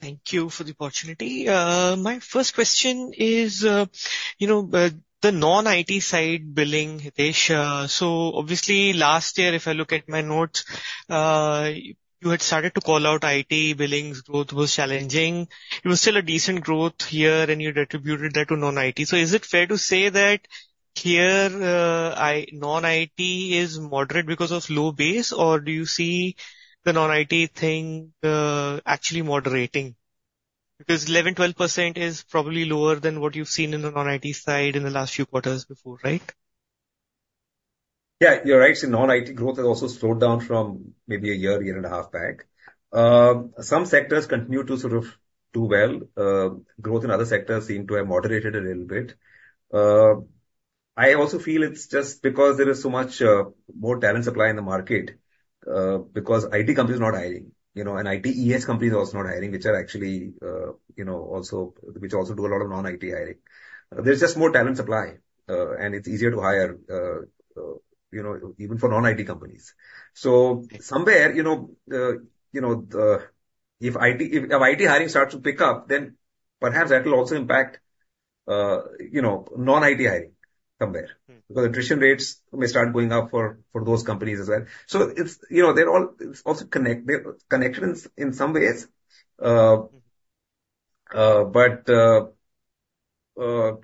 Thank you for the opportunity. My first question is, you know, the non-IT side billing, Hitesh. So obviously, last year, if I look at my notes, you had started to call out IT billings growth was challenging. It was still a decent growth year, and you'd attributed that to non-IT. So is it fair to say that-... here, non-IT is moderate because of low base, or do you see the non-IT thing actually moderating? Because 11%-12% is probably lower than what you've seen in the non-IT side in the last few quarters before, right? Yeah, you're right. So non-IT growth has also slowed down from maybe a year, year and a half back. Some sectors continue to sort of do well. Growth in other sectors seem to have moderated a little bit. I also feel it's just because there is so much more talent supply in the market because IT companies are not hiring, you know, and ITES companies are also not hiring, which are actually, you know, also which also do a lot of non-IT hiring. There's just more talent supply and it's easier to hire, you know, even for non-IT companies. So somewhere, you know, you know the if IT hiring starts to pick up, then perhaps that will also impact, you know, non-IT hiring somewhere. Mm. Because attrition rates may start going up for those companies as well. So it's, you know, they're connected in some ways. But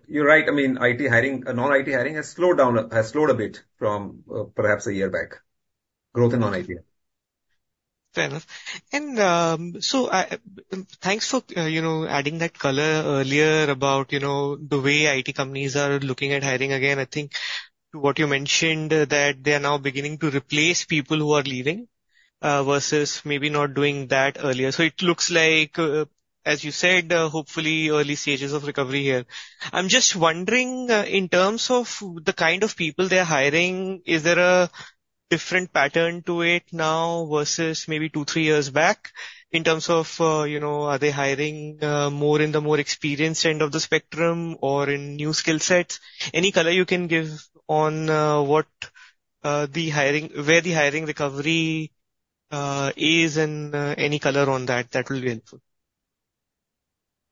you're right. I mean, IT hiring, non-IT hiring has slowed down, has slowed a bit from perhaps a year back. Growth in non-IT. Fair enough. So, thanks for, you know, adding that color earlier about, you know, the way IT companies are looking at hiring again. I think what you mentioned, that they are now beginning to replace people who are leaving versus maybe not doing that earlier. So it looks like, as you said, hopefully early stages of recovery here. I'm just wondering, in terms of the kind of people they're hiring, is there a different pattern to it now versus maybe two, three years back in terms of, you know, are they hiring more in the more experienced end of the spectrum or in new skill sets? Any color you can give on what the hiring recovery is and any color on that, that will be helpful.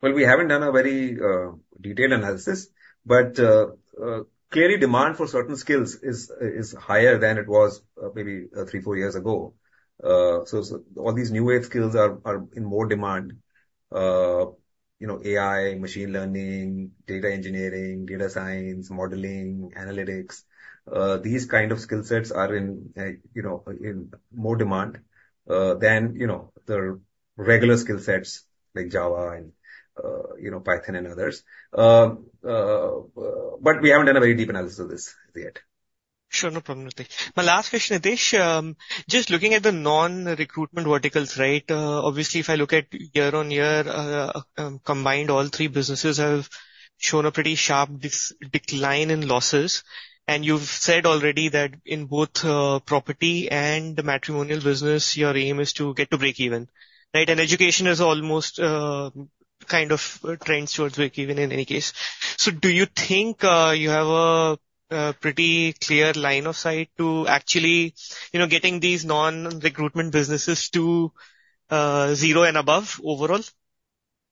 Well, we haven't done a very detailed analysis, but clearly demand for certain skills is higher than it was maybe three, four years ago. So all these new wave skills are in more demand. You know, AI, machine learning, data engineering, data science, modeling, analytics, these kind of skill sets are in, you know, in more demand than you know, the regular skill sets like Java and, you know, Python and others. But we haven't done a very deep analysis of this yet. Sure. No problem. My last question, Hitesh, just looking at the non-recruitment verticals, right? Obviously, if I look at year-on-year, combined, all three businesses have shown a pretty sharp decline in losses. And you've said already that in both, property and the matrimonial business, your aim is to get to breakeven, right? And education is almost, kind of trends towards breakeven in any case. So do you think, you have a pretty clear line of sight to actually, you know, getting these non-recruitment businesses to, zero and above overall?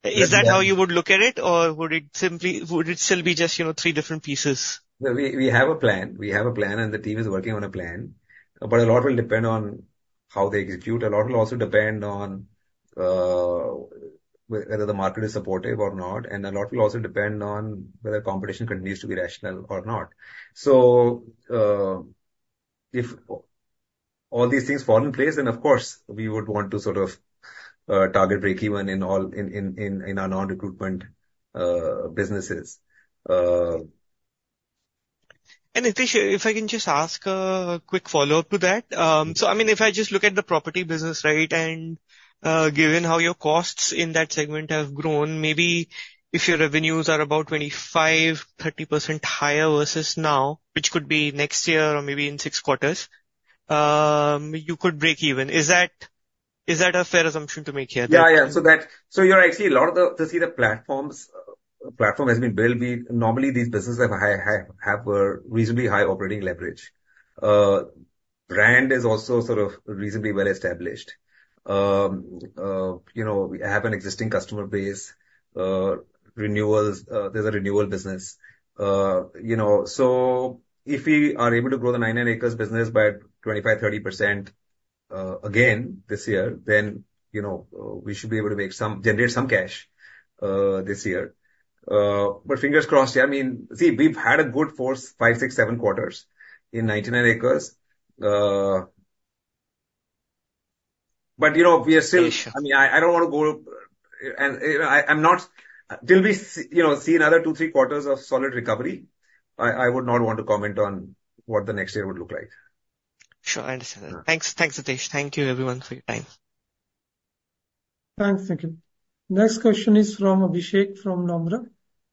Yes. Is that how you would look at it? Or would it simply, would it still be just, you know, three different pieces? We have a plan, and the team is working on a plan, but a lot will depend on how they execute. A lot will also depend on whether the market is supportive or not, and a lot will also depend on whether competition continues to be rational or not. So, if all these things fall in place, then of course, we would want to sort of target breakeven in all... in our non-recruitment businesses. Hitesh, if I can just ask a quick follow-up to that. So I mean, if I just look at the property business, right, and given how your costs in that segment have grown, maybe if your revenues are about 25-30% higher versus now, which could be next year or maybe in 6 quarters, you could breakeven. Is that, is that a fair assumption to make here? Yeah. Yeah. So you're right. See, a lot of the platforms, the platform has been built. We normally, these businesses have a reasonably high operating leverage. Brand is also sort of reasonably well established. You know, we have an existing customer base, renewals, there's a renewal business. You know, so if we are able to grow the 99acres business by 25-30%, again, this year, then, you know, we should be able to generate some cash this year. But fingers crossed. Yeah, I mean, see, we've had a good four, five, six, seven quarters in 99acres. But you know, we are still- Sure. I mean, I don't want to go. And, you know, I'm not till we see, you know, another 2-3 quarters of solid recovery, I would not want to comment on what the next year would look like. Sure, I understand. Thanks. Thanks, Hitesh. Thank you everyone for your time. Thanks, Nikhil. Next question is from Abhishek from Nomura.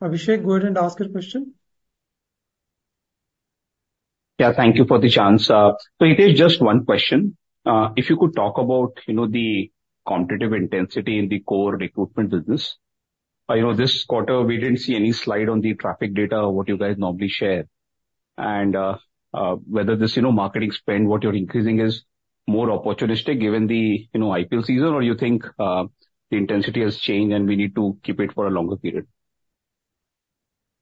Abhishek, go ahead and ask your question. Yeah, thank you for the chance. So Hitesh, just one question. If you could talk about, you know, the quantitative intensity in the core recruitment business. You know, this quarter, we didn't see any slide on the traffic data, what you guys normally share. And whether this, you know, marketing spend, what you're increasing is more opportunistic, given the, you know, IPL season, or you think the intensity has changed and we need to keep it for a longer period?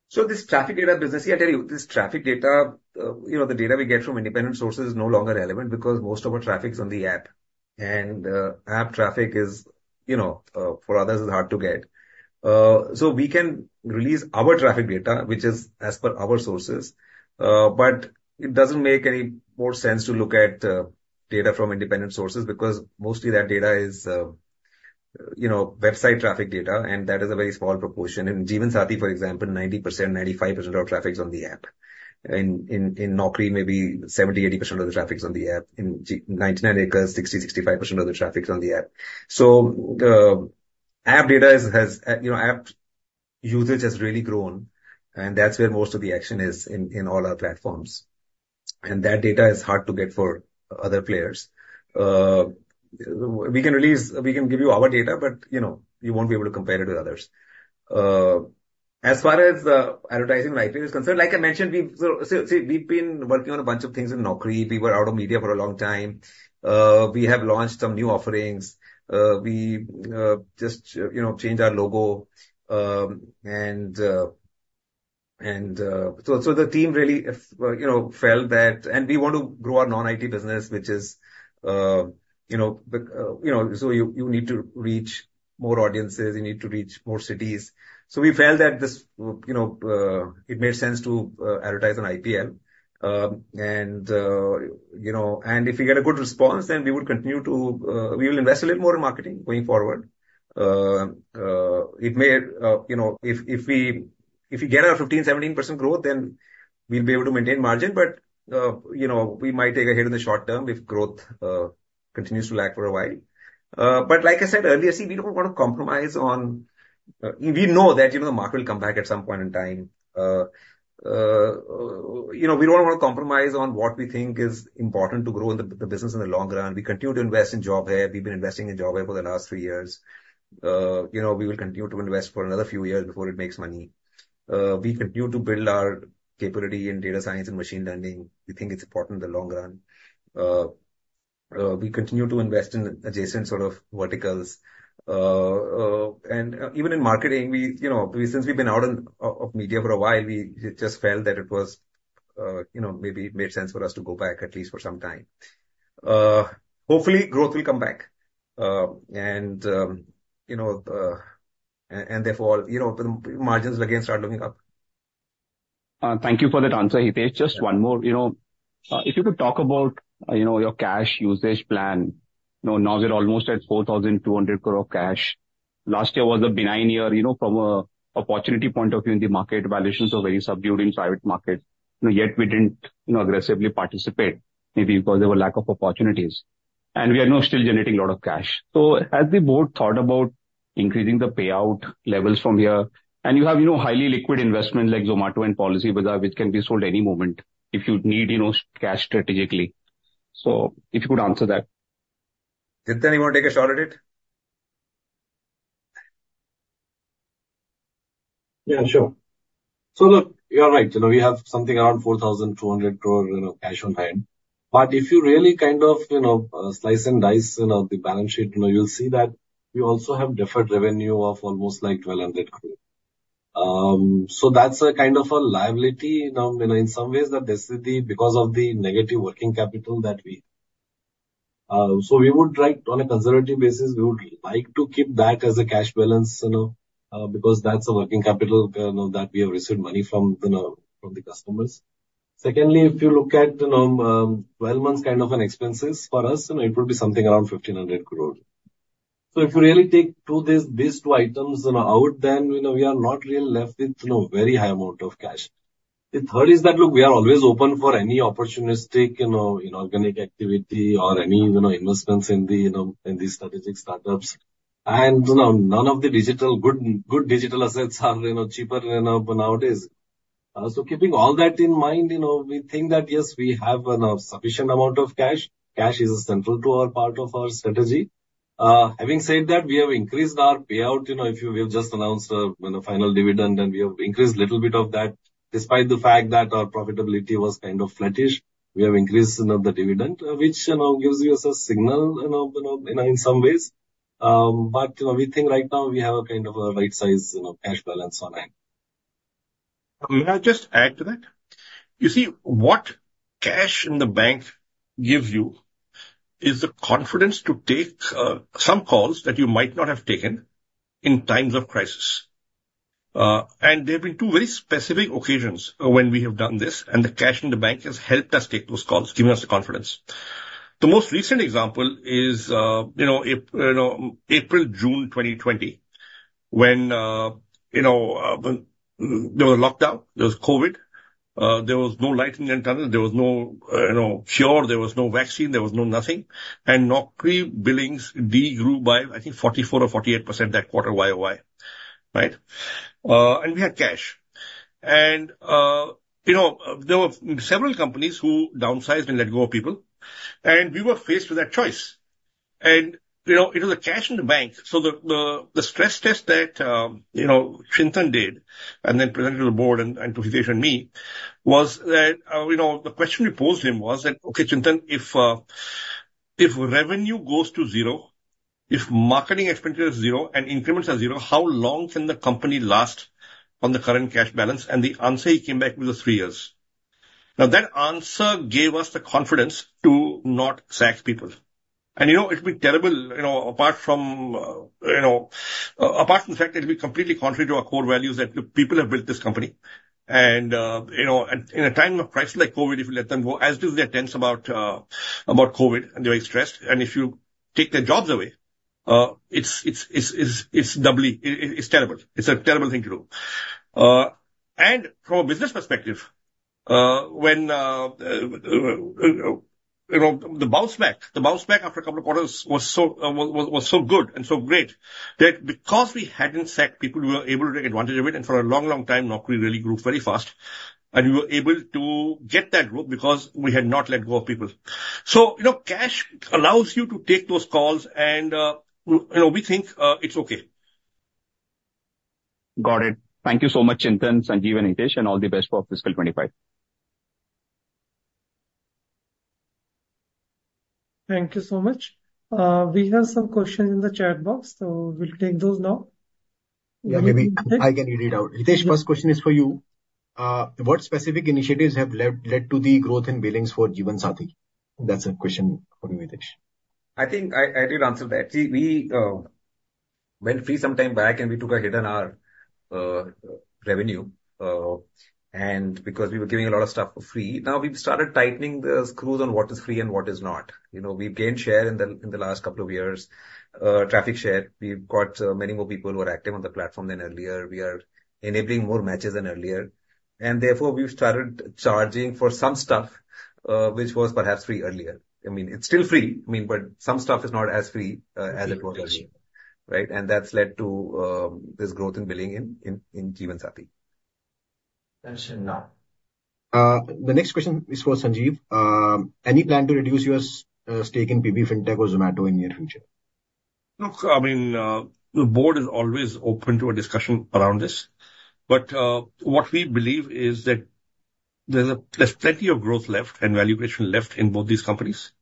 So this traffic data business, see, I tell you, this traffic data, you know, the data we get from independent sources is no longer relevant because most of our traffic is on the app. App traffic is, you know, for others is hard to get. So we can release our traffic data, which is as per our sources, but it doesn't make any more sense to look at data from independent sources because mostly that data is, you know, website traffic data, and that is a very small proportion. In Jeevansathi, for example, 90%-95% of traffic is on the app. In Naukri, maybe 70-80% of the traffic is on the app. In 99acres, 60-65% of the traffic is on the app. So, app data is, has, you know, app usage has really grown, and that's where most of the action is in all our platforms. And that data is hard to get for other players. We can give you our data, but, you know, you won't be able to compare it with others. As far as the advertising lately is concerned, like I mentioned, so we've been working on a bunch of things in Naukri. We were out of media for a long time. We have launched some new offerings. We just, you know, changed our logo. And... So, the team really, you know, felt that. And we want to grow our non-IT business, which is, you know, so you need to reach more audiences. You need to reach more cities. So we felt that this, you know, it made sense to advertise on IPL. And, you know, and if we get a good response, then we would continue to. We will invest a little more in marketing going forward. It may, you know, if we get our 15%-17% growth, then we'll be able to maintain margin. But, you know, we might take a hit in the short term if growth continues to lag for a while. But like I said earlier, see, we don't want to compromise on... We know that, you know, the market will come back at some point in time. You know, we don't want to compromise on what we think is important to grow the business in the long run. We continue to invest in JobHai. We've been investing in JobHai for the last three years. You know, we will continue to invest for another few years before it makes money. We continue to build our capability in data science and machine learning. We think it's important in the long run. We continue to invest in adjacent sort of verticals. Even in marketing, we, you know, since we've been out of media for a while, we just felt that it was, you know, maybe made sense for us to go back, at least for some time. Hopefully, growth will come back. And therefore, you know, the margins again start moving up. Thank you for that answer, Hitesh. Just one more. You know, if you could talk about, you know, your cash usage plan. You know, now we're almost at 4,200 crore cash. Last year was a benign year, you know, from a opportunity point of view, in the market, valuations were very subdued in private markets. You know, yet we didn't, you know, aggressively participate, maybe because there were lack of opportunities. And we are now still generating a lot of cash. So has the board thought about increasing the payout levels from here? And you have, you know, highly liquid investment like Zomato and Policybazaar, which can be sold any moment if you need, you know, cash strategically. So if you could answer that. Chintan, you want to take a shot at it? Yeah, sure. So look, you're right. You know, we have something around 4,200 crore, you know, cash on hand. But if you really kind of, you know, slice and dice, you know, the balance sheet, you know, you'll see that we also have deferred revenue of almost like 1,200 crore. So that's a kind of a liability, you know, in some ways that this is the, because of the negative working capital that we... So we would like, on a conservative basis, we would like to keep that as a cash balance, you know, because that's a working capital, you know, that we have received money from, you know, from the customers. Secondly, if you look at, you know, 12 months kind of an expenses for us, you know, it would be something around 1,500 crore. So if you really take these two items, you know, out, then, you know, we are not really left with, you know, very high amount of cash. The third is that, look, we are always open for any opportunistic, you know, inorganic activity or any, you know, investments in the, you know, in the strategic startups. And, you know, none of the good digital assets are, you know, cheaper, you know, nowadays. So keeping all that in mind, you know, we think that, yes, we have enough, sufficient amount of cash. Cash is central to our part of our strategy. Having said that, we have increased our payout. You know, we have just announced, you know, final dividend, and we have increased a little bit of that. Despite the fact that our profitability was kind of flattish, we have increased, you know, the dividend, which, you know, gives us a signal, you know, you know, in some ways. But, you know, we think right now we have a kind of a right size, you know, cash balance on hand. May I just add to that? You see, what cash in the bank gives you is the confidence to take some calls that you might not have taken in times of crisis. And there have been two very specific occasions when we have done this, and the cash in the bank has helped us take those calls, given us the confidence. The most recent example is, you know, April-June 2020, when, you know, there was lockdown, there was Covid, there was no light in the tunnel, there was no, you know, cure, there was no vaccine, there was no nothing. And Naukri billings de-grew by, I think, 44% or 48% that quarter, YOY. Right? And we had cash. You know, there were several companies who downsized and let go of people, and we were faced with that choice. You know, it was a cash in the bank. So the stress test that, you know, Chintan did, and then presented to the board and to Hitesh and me, was that, you know, the question we posed him was that, "Okay, Chintan, if revenue goes to zero. If marketing expenditure is zero and increments are zero, how long can the company last on the current cash balance?" And the answer he came back with was three years. Now, that answer gave us the confidence to not sack people. You know, it'd be terrible, you know, apart from the fact that it'd be completely contrary to our core values that the people have built this company. And, you know, and in a time of crisis like COVID, if you let them go, as it is they're tense about COVID, and they're very stressed, and if you take their jobs away, it's doubly terrible. It's a terrible thing to do. And from a business perspective, when you know, the bounce back after a couple of quarters was so good and so great that because we hadn't sacked people, we were able to take advantage of it. For a long, long time, Naukri really grew very fast, and we were able to get that growth because we had not let go of people. You know, cash allows you to take those calls, and, you know, we think, it's okay. Got it. Thank you so much, Chintan, Sanjeev, and Hitesh, and all the best for fiscal 25. Thank you so much. We have some questions in the chat box, so we'll take those now. Yeah, maybe I can read it out. Hitesh, first question is for you. What specific initiatives have led to the growth in billings for Jeevansathi? That's a question for you, Hitesh. I think I did answer that. See, we went free some time back, and we took a hit on our revenue, and because we were giving a lot of stuff for free. Now, we've started tightening the screws on what is free and what is not. You know, we've gained share in the last couple of years, traffic share. We've got many more people who are active on the platform than earlier. We are enabling more matches than earlier, and therefore, we've started charging for some stuff, which was perhaps free earlier. I mean, it's still free, I mean, but some stuff is not as free as it was earlier, right? And that's led to this growth in billing in Jeevansathi. The next question is for Sanjeev. Any plan to reduce your stake in PB Fintech or Zomato in near future? Look, I mean, the board is always open to a discussion around this, but, what we believe is that there's plenty of growth left and value creation left in both these companies.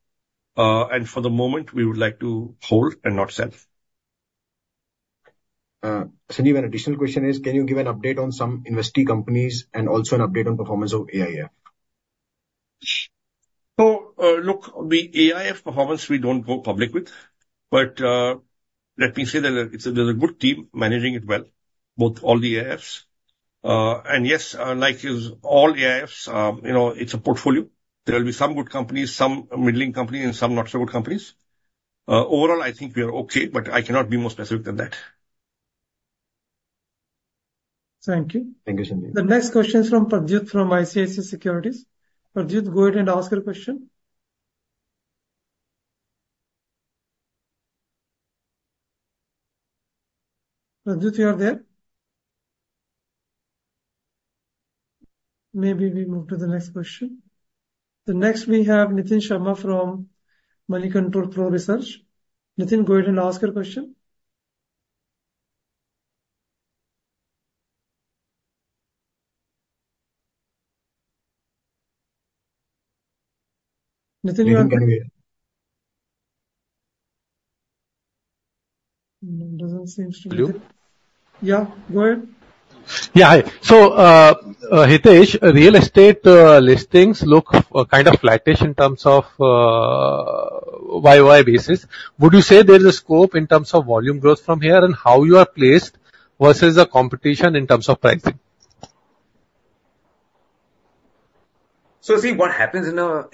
And for the moment, we would like to hold and not sell. Sanjeev, an additional question is, can you give an update on some investee companies and also an update on performance of AIF? So, look, the AIF performance, we don't go public with, but let me say that there's a good team managing it well, both all the AIFs. And yes, like all AIFs, you know, it's a portfolio. There will be some good companies, some middling companies, and some not so good companies. Overall, I think we are okay, but I cannot be more specific than that. Thank you. Thank you, Sanjeev. The next question is from Pradyut, from ICICI Securities. Pradyut, go ahead and ask your question. Pradyut, you are there? Maybe we move to the next question. The next we have Nitin Sharma from Moneycontrol Pro Research. Nitin, go ahead and ask your question. Nitin, you are- I can hear. He doesn't seem to- Hello? Yeah, go ahead. Yeah, hi. So, Hitesh, real estate listings look kind of flattish in terms of YOY basis. Would you say there is a scope in terms of volume growth from here, and how you are placed versus the competition in terms of pricing? So see, what happens in a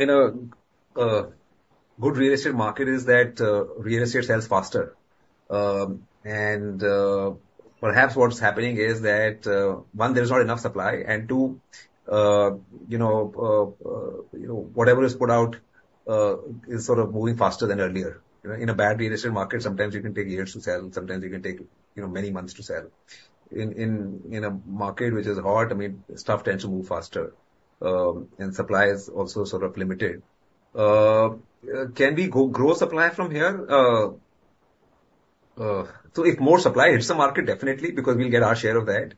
good real estate market is that real estate sells faster. Perhaps what's happening is that one, there's not enough supply, and two, you know, whatever is put out is sort of moving faster than earlier. You know, in a bad real estate market, sometimes it can take years to sell, and sometimes it can take, you know, many months to sell. In a market which is hot, I mean, stuff tends to move faster, and supply is also sort of limited. Can we go grow supply from here? So if more supply hits the market, definitely, because we'll get our share of that.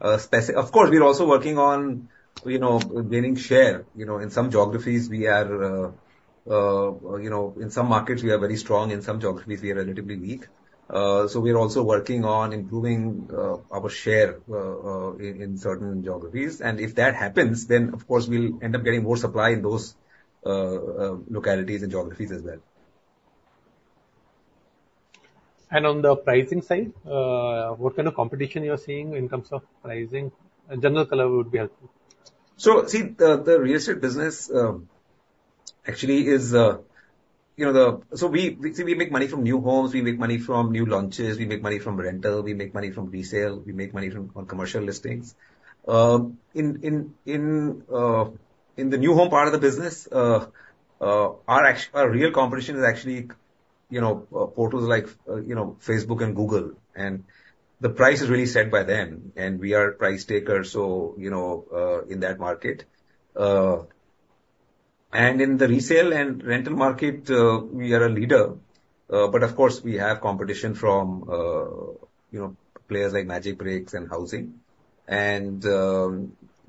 Of course, we're also working on, you know, gaining share. You know, in some geographies we are, you know, in some markets we are very strong, in some geographies we are relatively weak. So we are also working on improving our share in certain geographies. And if that happens, then, of course, we'll end up getting more supply in those localities and geographies as well. On the pricing side, what kind of competition you are seeing in terms of pricing? A general color would be helpful. So, see, the real estate business actually is, you know, the... So we make money from new homes, we make money from new launches, we make money from rental, we make money from resale, we make money from commercial listings. In the new home part of the business, our real competition is actually, you know, portals like, you know, Facebook and Google, and the price is really set by them, and we are price takers, so, you know, in that market. And in the resale and rental market, we are a leader, but of course, we have competition from, you know, players like Magicbricks and Housing. And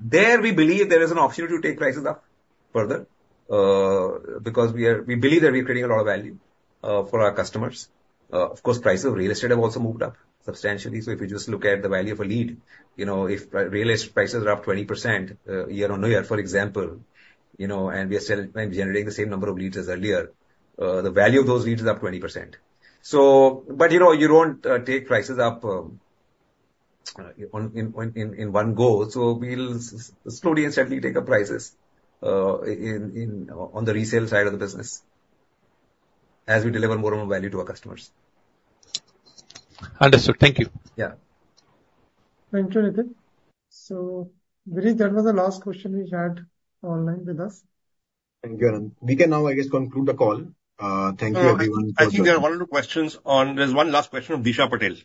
there we believe there is an opportunity to take prices up. further, because we are, we believe that we're creating a lot of value for our customers. Of course, prices of real estate have also moved up substantially. So if you just look at the value of a lead, you know, if real estate prices are up 20%, year-on-year, for example, you know, and we are still generating the same number of leads as earlier, the value of those leads is up 20%. So but, you know, you don't take prices up in one go, so we'll slowly and steadily take up prices on the resale side of the business as we deliver more and more value to our customers. Understood. Thank you. Yeah. Thank you, Nitin. Girish, that was the last question we had online with us. Thank you, Arun. We can now, I guess, conclude the call. Thank you, everyone. I think there are one or two questions on. There's one last question from Disha Patel.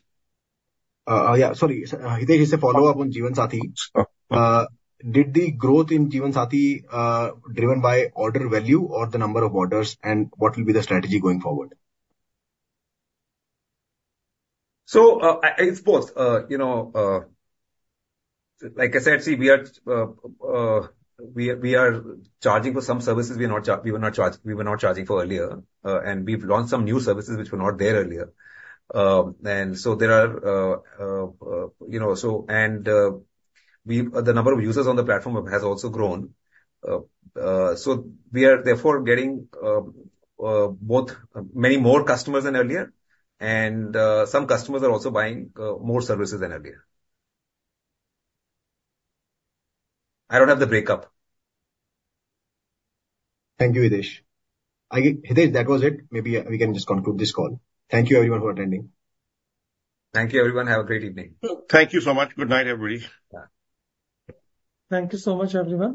Yeah, sorry, Hitesh, it's a follow-up on Jeevansathi. Did the growth in Jeevansathi driven by order value or the number of orders, and what will be the strategy going forward? So, I suppose, you know, like I said, see, we are charging for some services we were not charging for earlier. And we've launched some new services which were not there earlier. And so there are, you know, so and, we, the number of users on the platform has also grown. So we are therefore getting both many more customers than earlier, and some customers are also buying more services than earlier. I don't have the breakup. Thank you, Hitesh. I think, Hitesh, that was it. Maybe we can just conclude this call. Thank you, everyone, for attending. Thank you, everyone. Have a great evening. Thank you so much. Good night, everybody. Yeah. Thank you so much, everyone.